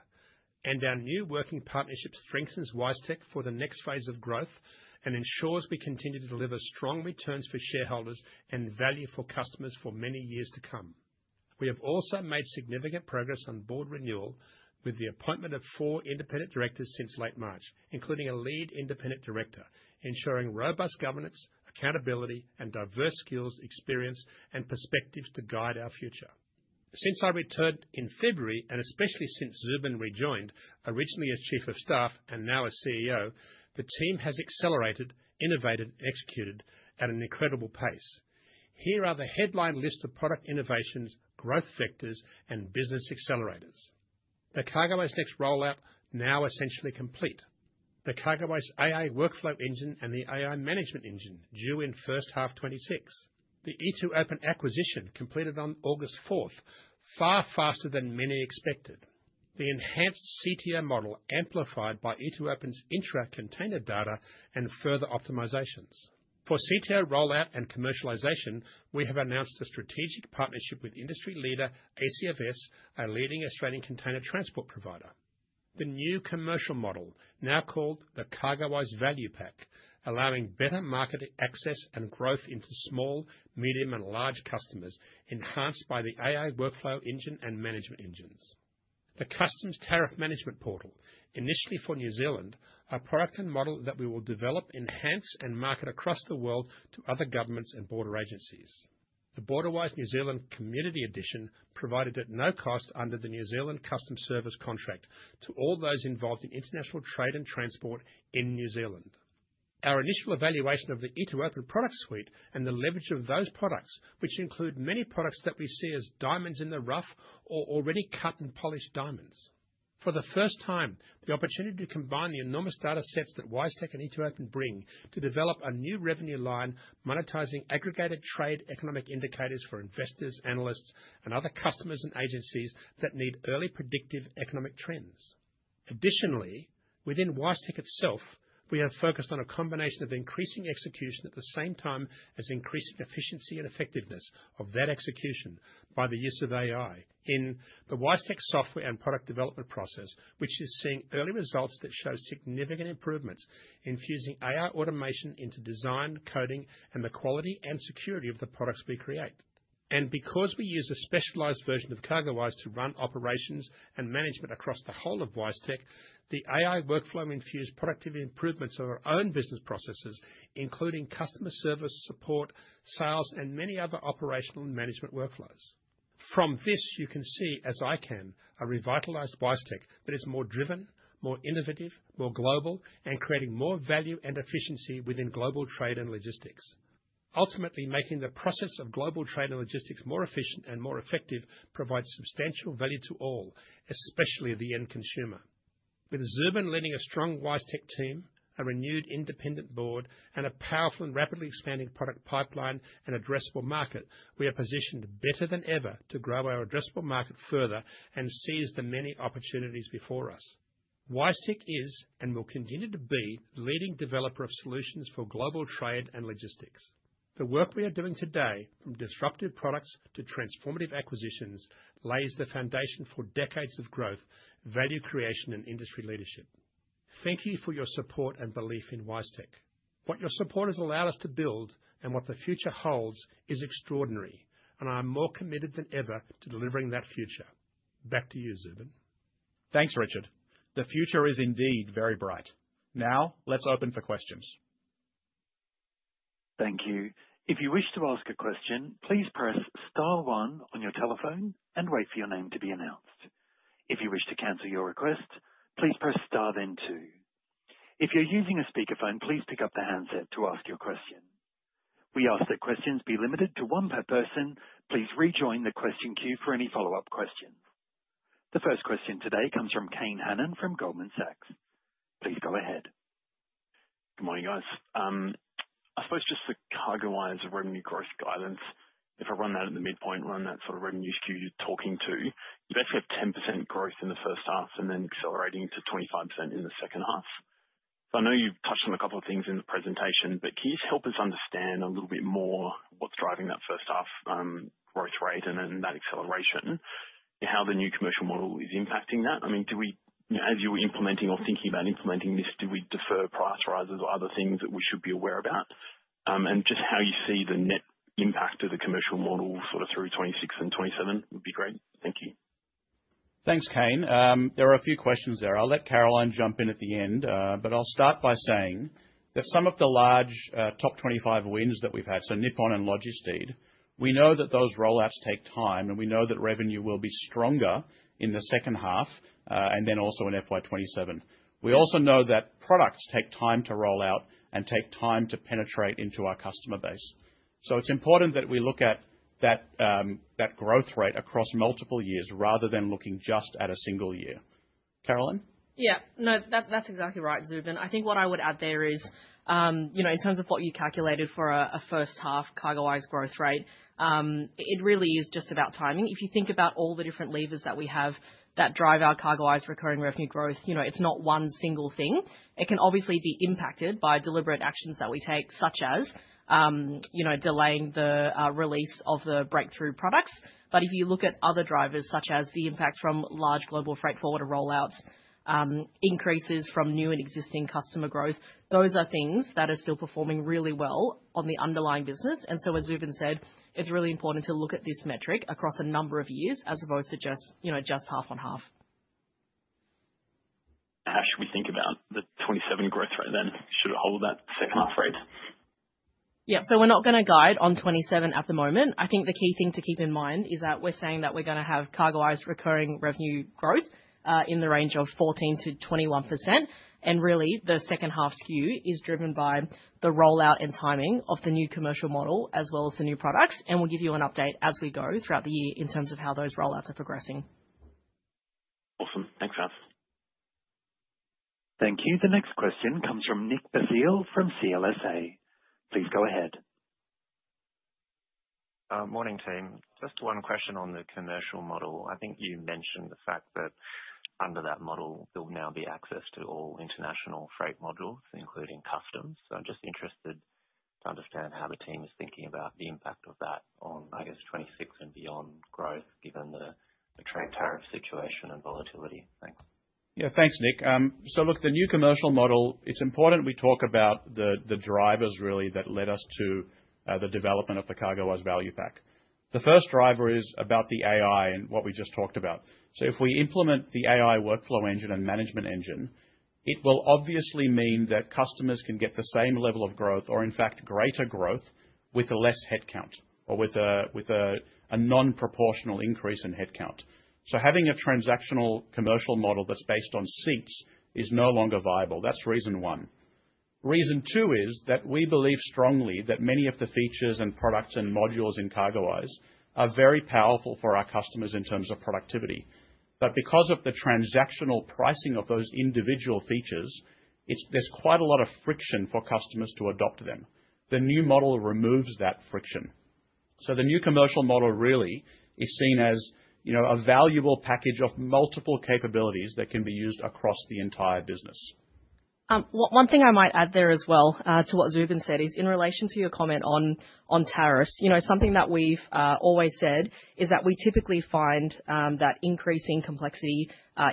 and our new working partnership strengthens WiseTech for the next phase of growth and ensures we continue to deliver strong returns for shareholders and value for customers for many years to come. We have also made significant progress on Board renewal with the appointment of four Independent Directors since late March, including a Lead Independent Director, ensuring robust governance, accountability, and diverse skills, experience, and perspectives to guide our future. Since I returned in February and especially since Zubin rejoined originally as Chief of Staff and now as CEO, the team has accelerated, innovated, and executed at an incredible pace. Here are the headline list of product innovations, growth vectors, and business accelerators. The CargoWise Next rollout now essentially complete, the CargoWise AI workflow engine and the AI management engine due in first half 2026, the e2open acquisition completed on August 4th, far faster than many expected, the enhanced CTO model amplified by e2open's INTTRA container data, and further optimizations for CTO rollout and commercialization. We have announced a strategic partnership with industry leader ACFS, a leading Australian container transport provider. The new commercial model, now called the CargoWise Value Pack, allowing better market access and growth into small, medium, and large customers, enhanced by the AI workflow engine and management engines. The Customs Tariff Management Portal, initially for New Zealand, a product and model that we will develop, enhance, and market across the world to other governments and border agencies. The BorderWise New Zealand Community Edition provided at no cost under the New Zealand Customs Service contract to all those involved in international trade and transport in New Zealand. Our initial evaluation of the e2open products suite and the leverage of those products, which include many products that we see as diamonds in the rough or already cut and polished diamonds, for the first time, the opportunity to combine the enormous data sets that WiseTech and e2open bring to develop a new revenue line monetizing aggregated trade economic indicators for investors, analysts, and other customers and agencies that need early predictive economic trends. Additionally, within WiseTech itself, we have focused on a combination of increasing execution at the same time as increasing efficiency and effectiveness of that execution by the use of AI in the WiseTech software and product development process, which is seeing early results that show significant improvements infusing AI automation into design, coding, and the quality and security of the products we create. Because we use a specialized version of CargoWise to run operations and management across the whole of WiseTech, the AI workflow infused productivity improvements of our own business processes including customer service, support, sales, and many other operational and management workflows. From this you can see, as I can, a revitalized WiseTech that is more driven, more innovative, more global, and creating more value and efficiency within global trade and logistics, ultimately making the process of global trade and logistics more efficient and more effective provides substantial value to all, especially the end consumer. With Zubin leading a strong WiseTech team, a renewed independent board, and a powerful and rapidly expanding product pipeline and addressable market, we are positioned better than ever to grow our addressable market further and seize the many opportunities before us. WiseTech is and will continue to be the leading developer of solutions for global trade and logistics. The work we are doing today, from disruptive products to transformative acquisitions, lays the foundation for decades of growth, value creation, and industry leadership. Thank you for your support and belief in WiseTech. What your support has allowed us to build and what the future holds is extraordinary, and I'm more committed than ever to delivering that future. Back to you, Zubin. Thanks, Richard. The future is indeed very bright. Now let's open for questions. Thank you. If you wish to ask a question, please press star one on your telephone and wait for your name to be announced. If you wish to cancel your request, please press star then two. If you're using a speakerphone, please pick up the handset to ask your question. We ask that questions be limited to one per person. Please rejoin the question queue for any follow up questions. The first question today comes from Kane Hannan from Goldman Sachs. Please go ahead. Good morning guys. I suppose just the CargoWise revenue growth guidance, if I run that at the midpoint, run that sort of revenue skew you're talking to, you basically have 10% growth in the first half and then accelerating to 25% in the second half. I know you've touched on a couple of things in the presentation, but can you just help us understand a little bit more what's driving that first half growth rate and that acceleration, how the new commercial model is impacting that? I mean, do we, as you were implementing or thinking about implementing this, do we defer price rises or other things that we should be aware about and just how you see the net impact of the commercial model sort of through 2026 and 2027 would be great. Thank you. Thanks, Kane. There are a few questions there. I'll let Caroline jump in at the end, but I'll start by saying that some of the large top 25 wins that we've had, so Nippon Express and LOGISTEED, we know that those rollouts take time, and we know that revenue will be stronger in the second half. In FY 2027, we also know that products take time to roll out and take time to penetrate into our customer base. It's important that we look at that growth rate across multiple years rather than looking just at a single year. Caroline? Yeah, no, that's exactly right, Zubin. I think what I would add there is, in terms of what you calculated for a first half CargoWise growth rate, it really is just about timing. If you think about all the different levers that we have that drive our CargoWise recurring revenue growth, it's not one single thing. It can obviously be impacted by deliberate actions that we take, such as delaying the release of the breakthrough products. If you look at other drivers, such as the impacts from large global freight forwarder rollouts and increases from new and existing customer growth, those are things that are still performing really well on the underlying business. As Zubin said, it's really important to look at this metric across a number of years as opposed to just half on half. How should we think about the 27% growth rate then? Should it hold that second half rate? Yeah, so we're not going to guide on 2027 at the moment. I think the key thing to keep in mind is that we're saying that we're going to have CargoWise recurring revenue growth in the range of 14%-21%. Really, the second half skew is driven by the rollout and timing of the new commercial model as well as the new product. We'll give you an update as we go throughout the year in terms of how those rollouts are progressing. Awesome. Thanks. Thank you. The next question comes from Nick Basile from CLSA. Please go ahead. Morning team. Just one question on the commercial model. I think you mentioned the fact that under that model there will now be access to all international freight modules, including customs. I'm just interested to understand how the team is thinking about the impact of that on, I guess, 2026 and beyond growth, given the trade tariff situation and volatility. Thanks. Yeah, thanks Nick. The new commercial model, it's important we talk about the drivers really that led us to the development of the CargoWise Value Pack. The first driver is about the AI and what we just talked about. If we implement the AI workflow engine and management engine, it will obviously mean that customers can get the same level of growth or in fact greater growth with less headcount or with a non-proportional increase in headcount. Having a transactional commercial model that's based on seats is no longer viable. That's reason one. Reason two is that we believe strongly that many of the features and products and modules in CargoWise are very powerful for our customers in terms of productivity. Because of the transactional pricing of those individual features, there's quite a lot of friction for customers to adopt them. The new model removes that friction. The new commercial model really is seen as a valuable package of multiple capabilities that can be used across the entire business. One thing I might add there as well to what Zubin said is in relation to your comment on tariffs, you know, something that we've always said is that we typically find that increasing complexity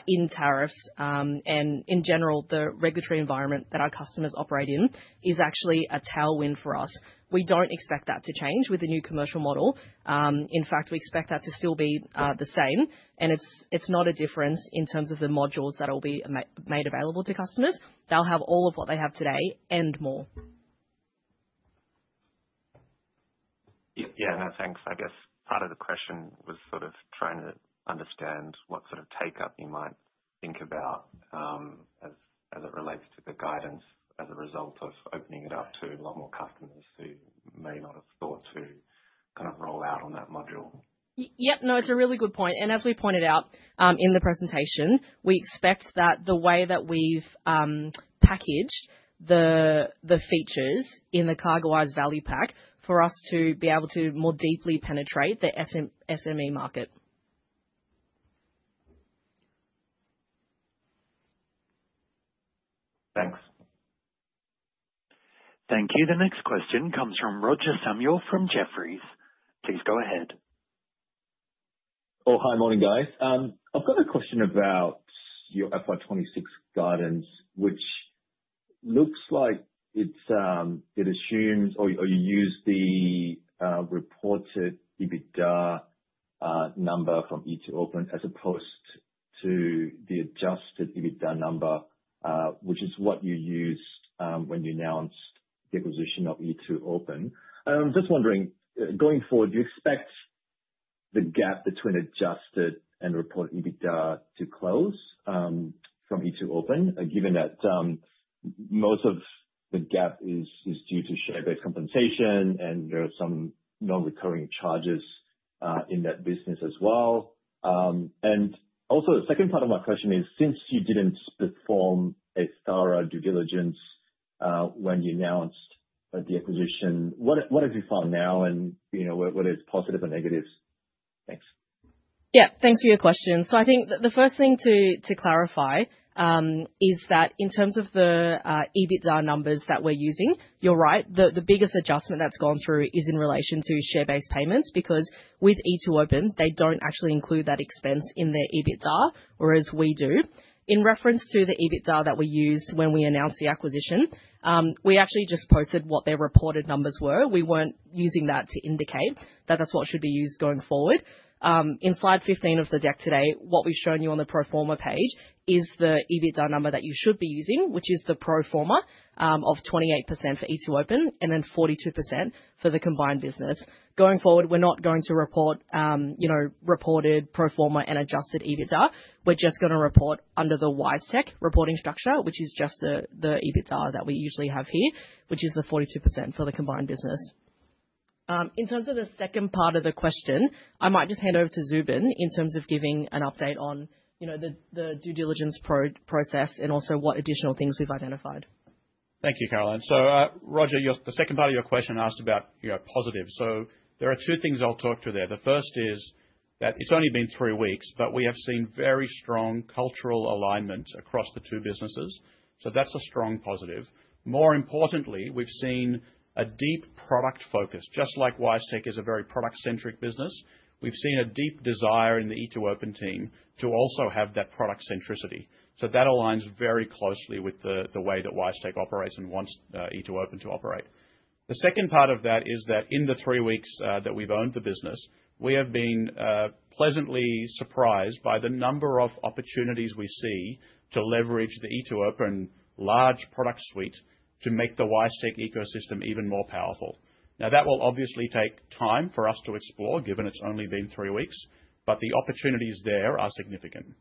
in tariffs and in general the regulatory environment that our customers operate in is actually a tailwind for us. We don't expect that to change with the new commercial model. In fact, we expect that to still be the same, and it's not a difference in terms of the modules that will be made available to customers. They'll have all of what they have today and more. Yeah, no thanks. I guess part of the question was sort of trying to understand what sort of take up you might think about as it relates to the guidance as a result of opening it up to a lot more customers who may not have thought to kind of roll out on that module. Yep. No, it's a really good point. As we pointed out in the presentation, we expect that the way that we've packaged the features in the CargoWise Value Pack will allow us to more deeply penetrate the SME market. Thank you. The next question comes from Roger Samuel from Jefferies. Please go ahead. Oh, hi. Morning guys. I've got a question about your FY 2026 guidance, which looks like it assumes or you use the reported EBITDA number from e2open as opposed to the adjusted EBITDA number, which is what you use when you announce the position of e2open. I'm just wondering, going forward, do you expect the gap between adjusted and reported EBITDA to close from e2open, given that most of the gap is due to share-based compensation and there are some non-recurring charges in that business as well? Also, the second part of my question is, since you didn't perform a star due diligence when you announced the acquisition, what have you found now and what is positive or negatives? Thanks. Yeah, thanks for your question. I think the first thing to clarify is that in terms of the EBITDA numbers that we're using, you're right, the biggest adjustment that's gone through is in relation to share based payments because with e2open they don't actually include that expense in their EBITDA, whereas we do in reference to the EBITDA that we use. When we announced the acquisition, we actually just posted what their reported numbers were. We weren't using that to indicate that that's what should be used going forward. In slide 15 of the deck today, what we've shown you on the pro forma page is the EBITDA number that you should be using, which is the pro forma of 28% for e2open and then 42% for the combined business. Going forward, we're not going to report, you know, reported pro forma and adjusted EBITDA. We're just going to report under the WiseTech reporting structure, which is just the EBITDA that we usually have here, which is the 42% for the combined business. In terms of the second part of the question, I might just hand over to Zubin in terms of giving an update on the due diligence process and also what additional things we've identified. Thank you, Caroline. Roger, the second part of your question asked about positive. There are two things I'll talk to there. The first is that it's only been three weeks, but we have seen very strong cultural alignment across the two businesses. That's a strong positive. More importantly, we've seen a deep product focus. Just like WiseTech is a very product-centric business, we've seen a deep desire in the e2open team to also have that product centricity. That aligns very closely with the way that WiseTech operates and wants e2open to operate. The second part of that is that in the three weeks that we've owned the business, we have been pleasantly surprised by the number of opportunities we see to leverage the e2open large product suite to make the WiseTech ecosystem even more powerful. That will obviously take time for us to explore given it's only been three weeks, but the opportunities there are significant.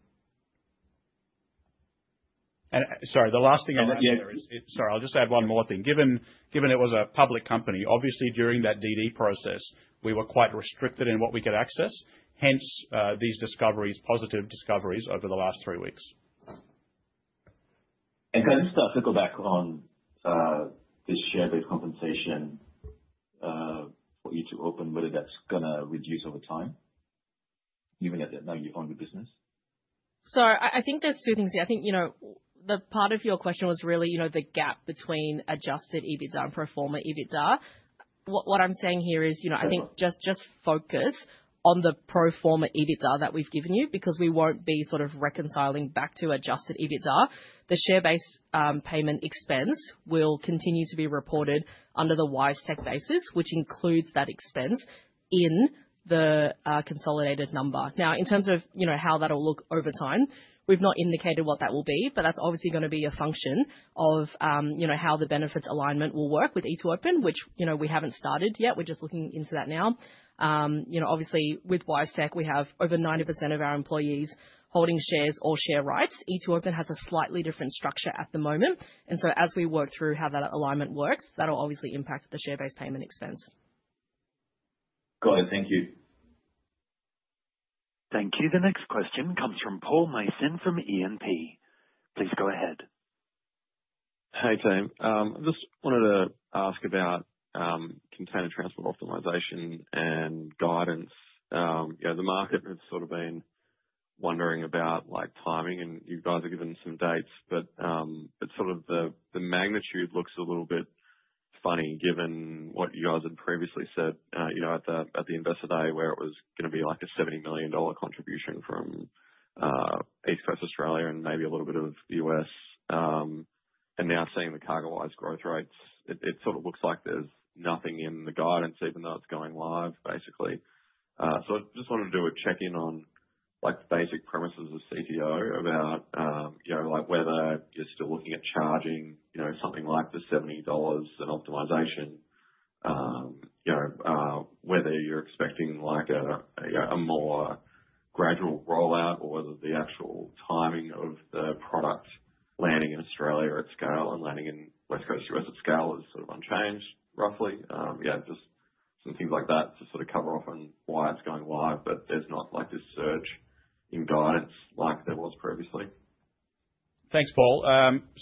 Sorry, I'll just add one more thing. Given it was a public company, obviously during that DD process we were quite restricted in what we could access. Hence these discoveries, positive discoveries over the last three weeks. Can you start to go back on this share-based compensation for e2open, whether that's going to reduce over time even yet now you own the business? I think there's two things here. I think the part of your question was really the gap between adjusted EBITDA and pro forma EBITDA. What I'm saying here is I think just focus on the pro forma EBITDA that we've given you because we won't be reconciling back to adjusted EBITDA. The share-based payment expense will continue to be reported under the WiseTech basis, which includes that expense in the consolidated number. In terms of how that'll look over time, we've not indicated what that will be, but that's obviously going to be a function of how the benefits alignment will work. With e2open, which we haven't started yet, we're just looking into that now. Obviously with WiseTech, we have over 90% of our employees holding shares or share rights. E2open has a slightly different structure at the moment and as we work through how that alignment works, that'll obviously impact the share-based payment expense. Got it. Thank you. Thank you. The next question comes from Paul Mason from E&P. Please go ahead. Hey team. I just wanted to ask about Container Transport Optimization and guidance. The market has sort of been wondering about, like, timing, and you guys have given some dates, but the magnitude looks a little bit funny given what you guys had previously said at the Investor Day, where it was going to be like a $70 million contribution from east coast Australia and maybe a little bit of the U.S. Now seeing the CargoWise growth rates, it looks like there's nothing in the guidance, even though it's going live, basically. I just wanted to do a check in on the basic premises of CTO about whether you're still looking at charging something like the $70 an optimization, whether you're expecting a more gradual rollout, or whether the actual timing of the products landing in Australia at scale and landing in west coast U.S. at scale is sort of unchanged, roughly. Yeah, just something like that to cover off on why it's going live, but there's not this surge in guidance like there was previously. Thanks, Paul.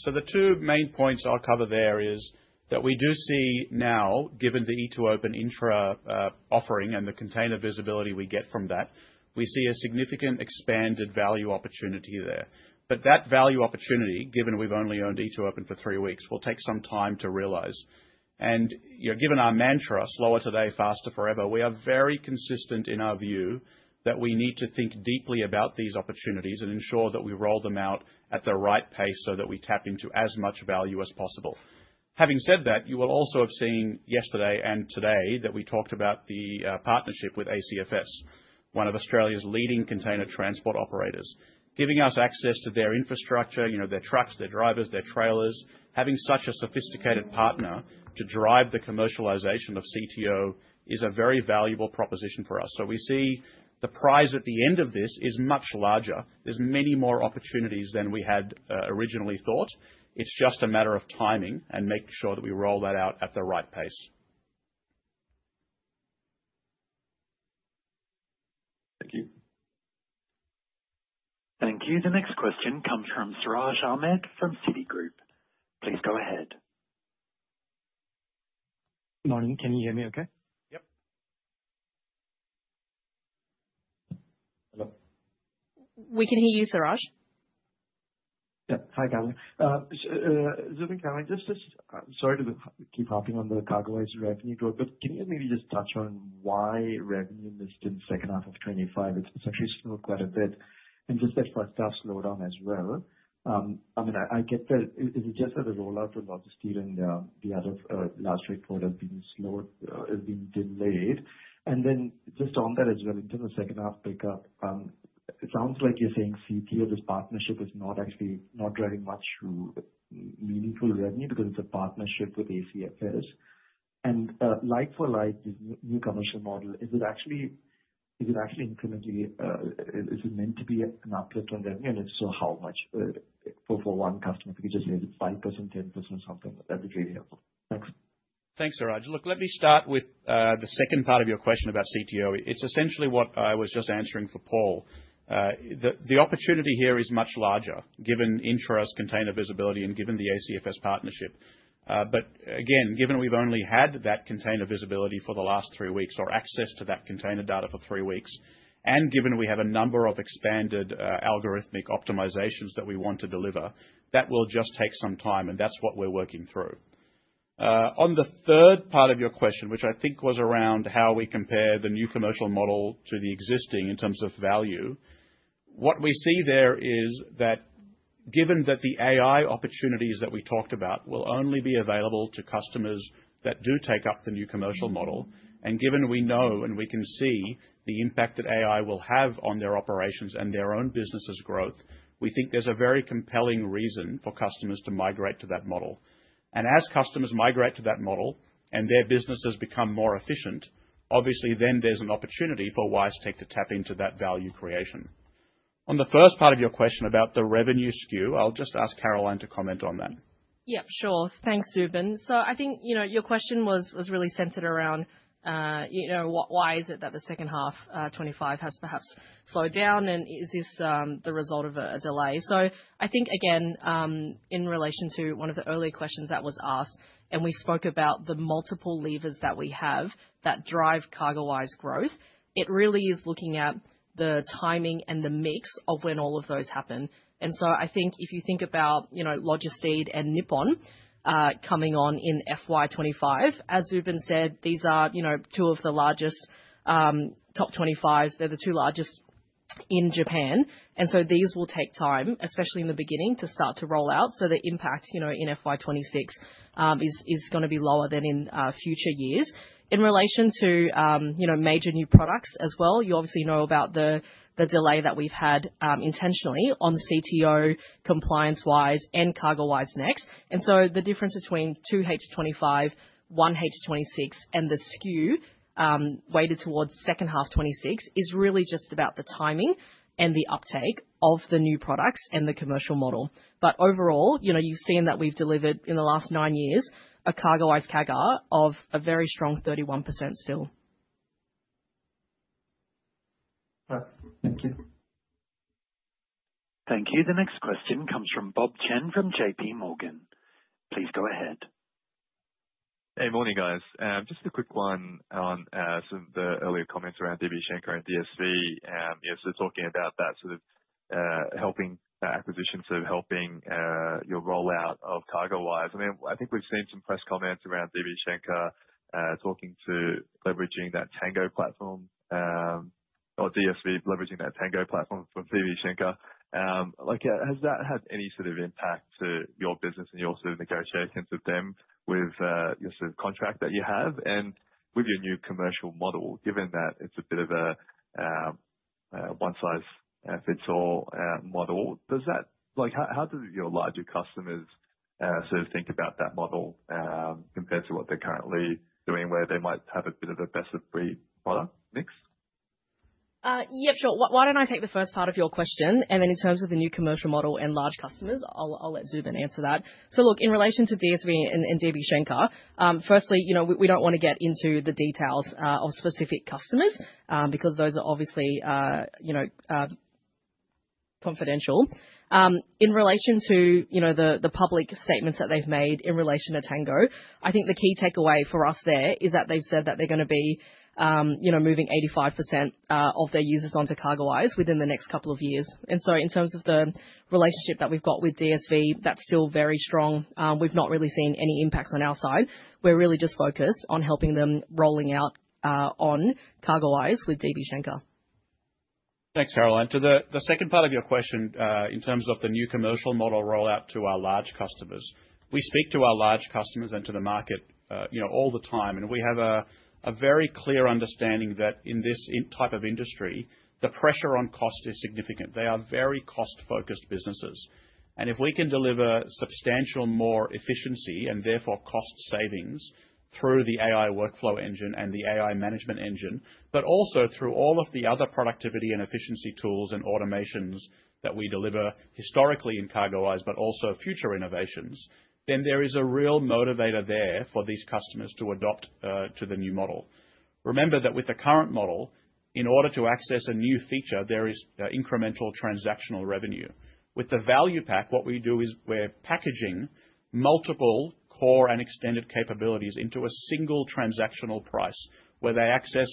The two main points I'll cover there is that we do see now, given the e2open intravenous offering and the container visibility we get from that, we see a significant expanded value opportunity there. That value opportunity, given we've only owned e2open for three weeks, will take some time to realize. You know, given our mantra slower today, faster forever, we are very consistent in our view that we need to think deeply about these opportunities and ensure that we roll them out at the right pace so that we tap into as much value as possible. Having said that, you will also have seen yesterday and today that we talked about the partnership with ACFS, one of Australia's leading container transport operators, giving us access to their infrastructure, their trucks, their drivers, their trailers. Having such a sophisticated partner to drive the commercialization of CTO is a very valuable proposition for us. We see the prize at the end of this is much larger. There are many more opportunities than we had originally thought. It's just a matter of timing and making sure that we roll that out at the right pace. Thank you. Thank you. The next question comes from Siraj Ahmed from Citigroup. Please go ahead. Morning, can you hear me okay? Yeah. We can hear you, Siraj. Hi, Caroline. I'm sorry to keep hopping on the CargoWise revenue growth, but can you maybe just touch on why revenue missed in the second half of 2025? It's actually slowed quite a bit and just that first half slowdown as well. I mean, I get that you just had a rollout of lots of steering. The other last report has been slowed, has been delayed, and then just on that as well. In terms of second half pickup, it sounds like you're saying CP of this partnership is actually not driving much meaningful revenue because it's a partnership with ACFS and like, for like this new commercial model, is it actually, is it actually incrementally, is it meant to be an uplift on revenue and if so, how much for one customer? If you just say is it 5%, 10%? Something that really helps. Thanks, Siraj. Look, let me start with the second part of your question about CTO. It's essentially what I was just answering for Paul. The opportunity here is much larger given interest in container visibility and given the ACFS partnership. Given we've only had that container visibility for the last three weeks or access to that container data for three weeks and given we have a number of expanded algorithmic optimizations that we want to deliver, that will just take some time and that's what we're working through. On the third part of your question, which I think was around how we compare the new commercial model to the existing in terms of value, what we see there is that given that the AI opportunities that we talked about will only be available to customers that do take up the new commercial model and given we know and we can see the impact that AI will have on their operations and their own businesses' growth, we think there's a very compelling reason for customers to migrate to that model. As customers migrate to that model and their businesses become more efficient, obviously there's an opportunity for WiseTech to tap into that value creation. On the first part of your question about the revenue skew, I'll just ask Caroline to comment on that. Yep, sure. Thanks Zubin. I think your question was really centered around why is it that the second half 2025 has perhaps slowed down and is this the result of a delay? I think again in relation to one of the earlier questions that was asked and we spoke about the multiple levers that we have that drive CargoWise growth, it really is looking at the timing and the mix of when all of those happen. I think if you think about LOGISTEED and Nippon coming on in FY 2025, as Zubin said, these are two of the largest top 25, they're the two largest in Japan. These will take time, especially in the beginning, to start to roll out. The impact in FY 2026 is going to be lower than in future years in relation to major new products as well. You obviously know about the delay that we've had intentionally on CTO, ComplianceWise, and CargoWise Next. The difference between 2H 2025, 1H 2026, and the skew weighted towards second half 2026 is really just about the timing and the uptake of the new products and the commercial model. Overall, you've seen that we've delivered in the last nine years a CargoWise CAGR of a very strong 31% still. Thank you. Thank you. The next question comes from Bob Chen from JPMorgan. Please go ahead. Hey, morning, guys. Just a quick one on some of the earlier comments around DB Schenker and DSV. Talking about that sort of helping acquisition, sort of helping your rollout of CargoWise. I mean, I think we've seen some press comments around DB Schenker talking to leveraging that Tango platform or DSV leveraging that Tango platform from DB Schenker. Has that had any sort of impact to your business? The carry share comes with them with your sort of contract that you have and with your new commercial model, given that it's a bit of a one size fits all model. Does that, like, how do your larger customers sort of think about that model compared to what they're currently doing, where they might have a bit of a best of three product mix? Yep, sure. Why don't I take the first part of your question, and then in terms of the new commercial model and large customers, I'll let Zubin answer that. In relation to DSV and DB Schenker, firstly, we don't want to get into the details of specific customers because those are obviously confidential in relation to the public statements that they've made in relation to Tango. I think the key takeaway for us there is that they've said that they're going to be moving 85% of their users onto CargoWise within the next couple of years. In terms of the relationship that we've got with DSV, that's still very strong. We've not really seen any impacts on our side. We're really just focused on helping them rolling out on CargoWise with DB Schenker. Thanks, Caroline. To the second part of your question, in terms of the new commercial model rollout to our large customers, we speak to our large customers and to the market all the time. We have a very clear understanding that in this type of industry, the pressure on cost is significant. They are very cost focused businesses, and if we can deliver substantial more efficiency and therefore cost savings through the AI workflow engine and the AI management engine, but also through all of the other productivity and efficiency tools and automations that we deliver historically in CargoWise, but also future innovations, there is a real motivator there for these customers to adopt to the new model. Remember that with the current model, in order to access a new feature, there is incremental transactional revenue. With the Value Pack, what we do is we're packaging multiple core and extended capabilities into a single transactional price where they access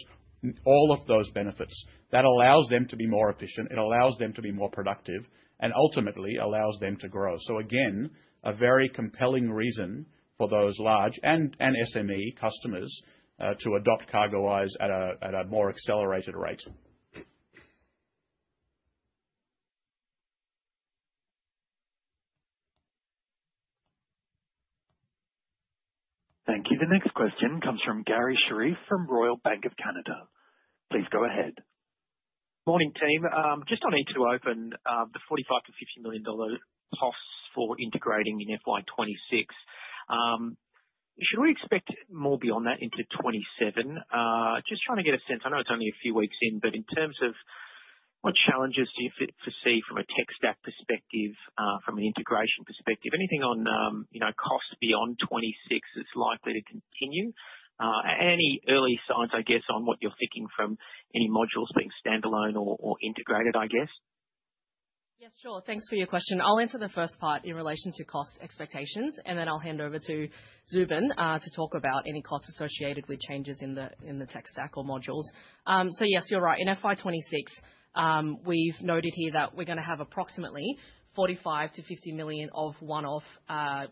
all of those benefits. That allows them to be more efficient, it allows them to be more productive, and ultimately allows them to grow. This is a very compelling reason for those large and SME customers to adopt CargoWise at a more accelerated rate. Thank you. The next question comes from Garry Sherriff from Royal Bank of Canada. Please go ahead. Morning team. Just on e2open, the $45 million-$50 million costs for integrating in FY 2026, should we expect more beyond that into 2027? Just trying to get a sense, I know it's only a few weeks in, but in terms of what challenges do you foresee from a tech stack perspective, from an integration perspective, anything on, you know, costs beyond 2026 is likely to continue. Any early signs, I guess, on what you're thinking from any modules being standalone or integrated? Yes, sure. Thanks for your question. I'll answer the first part in relation to cost expectations and then I'll hand over to Zubin to talk about any costs associated with changes in the tech stack or modules. Yes, you're right. In FY 2026 we've noted here that we're going to have approximately $45 million-$50 million of one-off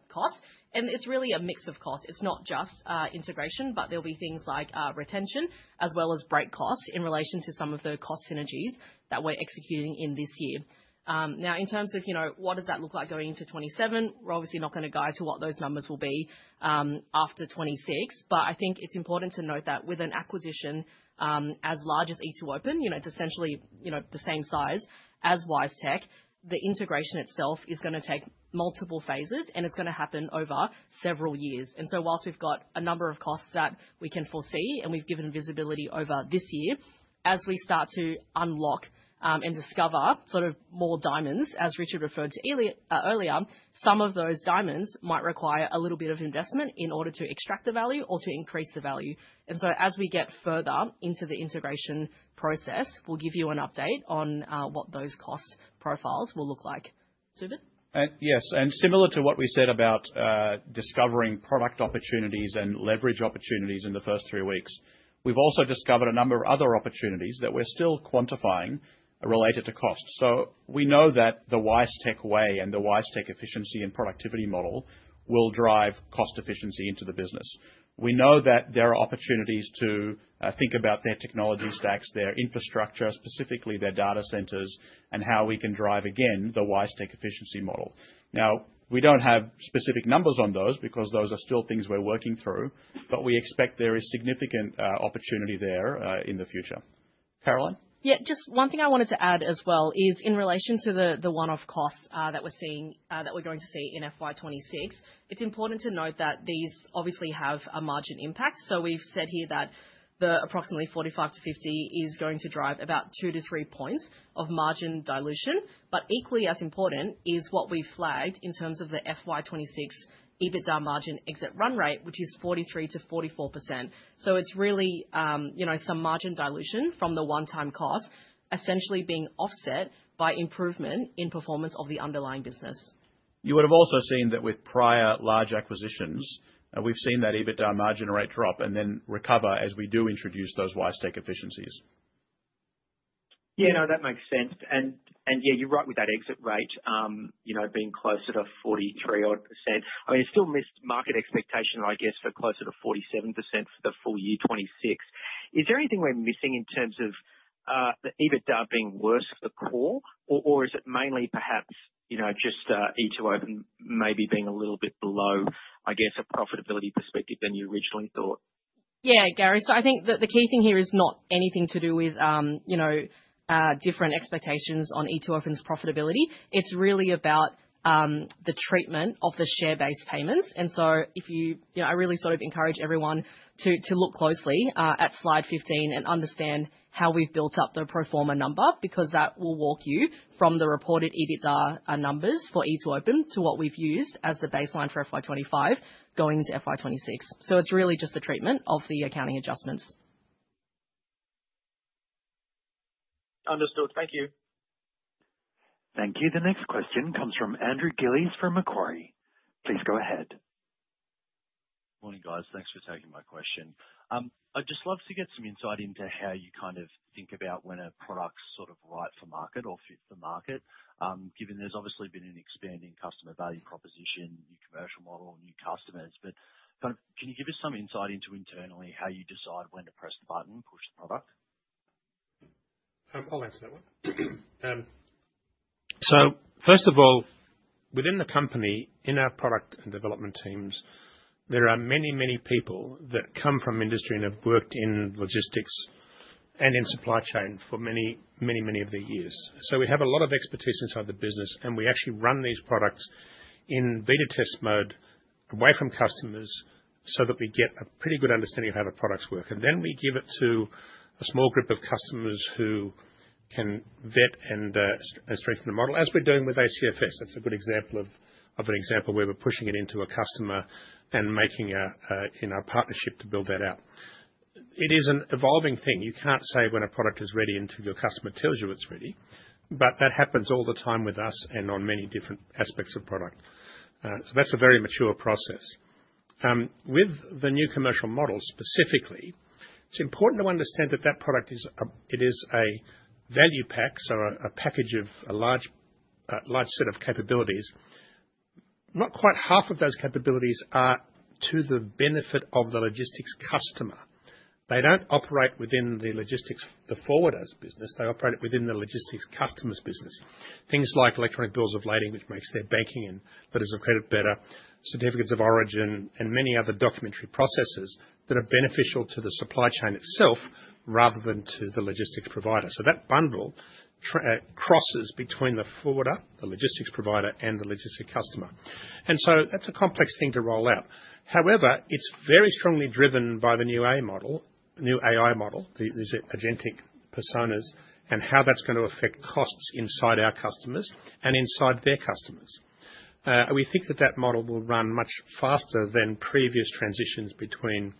costs and it's really a mix of costs. It's not just integration, but there'll be things like retention as well as break costs in relation to some of the cost synergies that we're executing in this year. In terms of what does that look like going into 2027, we're obviously not going to guide to what those numbers will be after 2026, but I think it's important to note that with an acquisition as large as e2open, it's essentially the same size as WiseTech. The integration itself is going to take multiple phases and it's going to happen over several years. Whilst we've got a number of costs that we can foresee and we've given visibility over this year as we start to unlock and discover sort of more diamonds, as Richard referred to earlier, some of those diamonds might require a little bit of investment in order to extract the value or to increase the value. As we get further into the integration process, we'll give you an update on what those cost profiles will look like. Zubin? Yes, and similar to what we said about discovering product opportunities and leverage opportunities in the first three weeks, we've also discovered a number of other opportunities that we're still quantifying related to cost. We know that the WiseTech way and the WiseTech efficiency and productivity model will drive cost efficiency into the business. We know that there are opportunities to think about their technology stacks, their infrastructure, specifically their data centers, and how we can drive, again, the WiseTech efficiency model. We don't have specific numbers on those because those are still things we're working through, but we expect there is significant opportunity there in the future. Caroline? Yeah, just one thing I wanted to add as well is in relation to the one off costs that we're seeing that we're going to see in FY 2026, it's important to note that these obviously have a margin impact. We've said here that the approximately $45 million-$50 million is going to drive about 2 points-3 points of margin dilution. Equally as important is what we flagged in terms of the FY 2026 EBITDA margin exit run rate, which is 43%-44%. It's really, you know, some margin dilution from the one time cost essentially being offset by improvement in performance of the underlying business. You would have also seen that with prior large acquisitions, we've seen that EBITDA margin rate drop and then recover as we do introduce those WiseTech efficiencies. Yeah, no, that makes sense. You're right with that exit rate, you know, being closer to 43% odd, I mean it still missed market expectation. I go for closer to 47% for the full year 2026. Is there anything we're missing in terms of the EBITDA being worse for core, or is it mainly perhaps just e2open maybe being a little bit below, I guess, a profitability perspective than you originally thought. Yeah, Garry. I think that the key thing here is not anything to do with different expectations on e2open's profitability. It's really about the treatment of the share-based payments. I really sort of encourage everyone to look closely at slide 15 and understand how we've built up the pro forma number because that will walk you from the reported EBITDA numbers for e2open to what we've used as the baseline for FY 2025 going into FY 2026. It's really just the treatment of the accounting adjustments. Understood, thank you. Thank you. The next question comes from Andrew Gillies from Macquarie. Please go ahead. Morning guys. Thanks for taking my question. I'd just love to get some insight into how you kind of think about when a product's sort of right for market or fit for market, given there's obviously been an expanding customer value proposition, new commercial model, new customers. Can you give us some insight into internally how you decide when to press the button, push the product? I'll answer that one. First of all, within the company, in our product and development teams, there are many, many people that come from industry and have worked in logistics and in supply chain for many, many, many of the years. We have a lot of expertise inside the business and we actually run these products in beta test mode away from customers so that we get a pretty good understanding of how the products work and then we give it to a small group of customers who can vet and strengthen the model as we're doing with ACFS. That's a good example of an example where we're pushing it into a customer and making in our partnership to build that out. It is an evolving thing. You can't say when a product is ready until your customer tells you it's ready. That happens all the time with us and on many different aspects of product. That's a very mature process with the new commercial model. Specifically, it's important to understand that that product is, it is a value pack, so a package of a large set of capabilities. Not quite half of those capabilities are to the benefit of the logistics customer. They don't operate within the logistics, the forwarder's business, they operate within the logistics customer's business. Things like electronic bills of lading, which makes their banking and letters of credit better, certificates of origin and many other documentary processes that are beneficial to the supply chain itself rather than to the logistics provider. That bundle crosses between the forwarder, the logistics provider and the logistics customer. That is a complex thing to roll out. However, it's very strongly driven by the new AI model, this agentic personas and how that's going to affect costs inside our customers and inside their customers. We think that that model will run much faster than previous transitions between,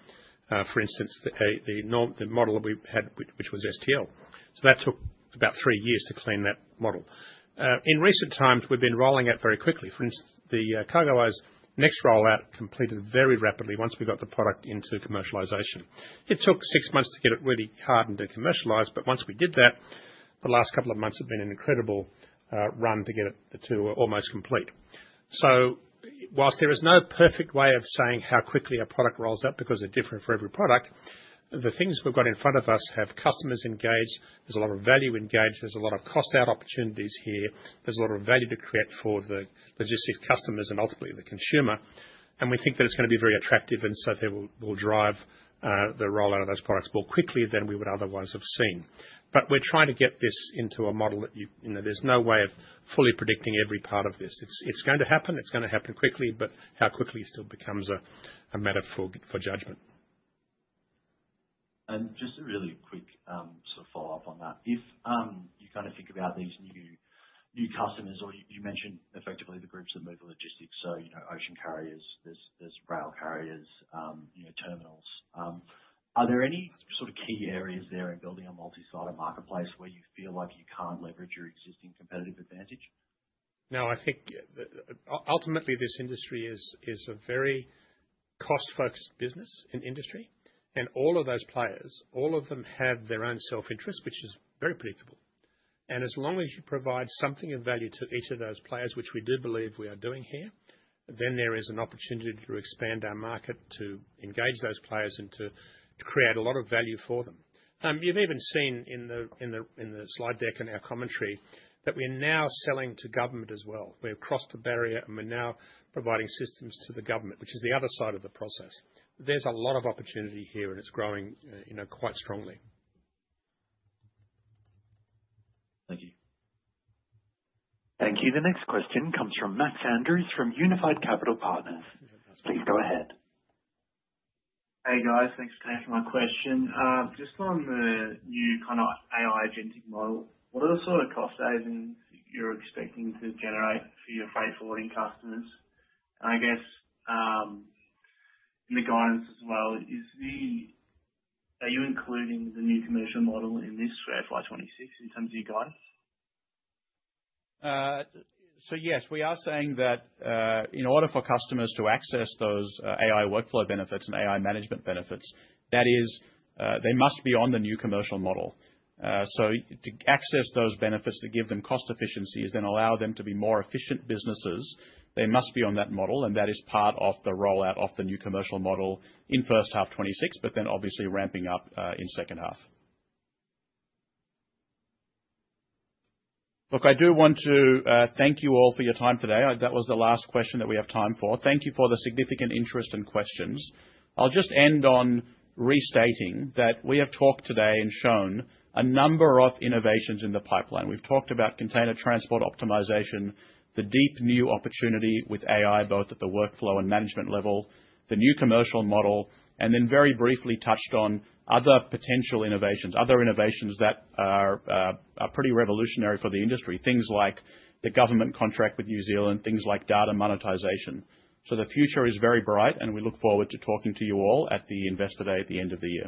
for instance, the model that we had, which was STL, so that took about three years to clean that model. In recent times we've been rolling out very quickly. For instance, the CargoWise Next rollout completed very rapidly. Once we got the product into commercialization it took six months to get it really hardened to commercialize. Once we did that the last couple of months have been an incredible run to get it to almost complete. Whilst there is no perfect way of saying how quickly our product rolls up because they're different for every product, the things we've got in front of us have customers engaged, there's a lot of value engaged, there's a lot of cost out opportunities here, there's a lot of value to create for the WiseTech customers and ultimately the consumer, and we think that it's going to be very attractive. They will drive the rollout of those products more quickly than we would otherwise have seen. We're trying to get this into a model that, you know, there's no way of fully predicting every part of this. It's going to happen, it's going to happen quickly. How quickly still becomes a matter for judgment. Just a really quick sort of follow up on that. If you kind of think about these new customers or you mentioned effectively the groups that move the logistics, so you know, ocean carriers, there's rail carriers, terminals, are there any sort of key areas there building a multi sided marketplace where you feel like you can't leverage your existing competitive advantage? No, I think ultimately this industry is a very cost-focused business and industry, and all of those players, all of them have their own self-interest, which is very predictable. As long as you provide something of value to each of those players, which we do believe we are doing here, there is an opportunity to expand our market, to engage those players, and to create a lot of value for them. You've even seen in the slide deck and our commentary that we are now selling to government as well. We've crossed the barrier and we're now providing systems to the government, which is the other side of the process. There's a lot of opportunity here and it's growing, you know, quite strongly. Thank you. Thank you. The next question comes from Max Andrews from Unified Capital Partners. Please go ahead. Hey guys, thanks for paying for my question. Just on the new kind of AI agentic model, what are the sort of cost savings you're expecting to generate for your freight forwarding customers? I guess in the guidance, is the, are you including the new commercial model in this in terms of guards? Yes, we are saying that in order for customers to access those AI workflow automation benefits and AI management benefits, i.e., they must be on the new commercial model. To access those benefits, to give them cost efficiencies and allow them to be more efficient businesses, they must be on that model. That is part of the rollout of the new commercial model in first half 2026, obviously ramping up in the second half. I do want to thank you all for your time today. That was the last question that we have time for. Thank you for the significant interest and questions. I'll just end on restating that we have talked today and shown a number of innovations in the pipeline. We've talked about Container Transport Optimization, the deep new opportunity with AI, both at the workflow and management level, the new commercial model, and then very briefly touched on other potential innovations, other innovations that are pretty revolutionary for the industry, things like the government contract with New Zealand, things like data monetization. The future is very bright and we look forward to talking to you all at the Investor Day at the end of the year.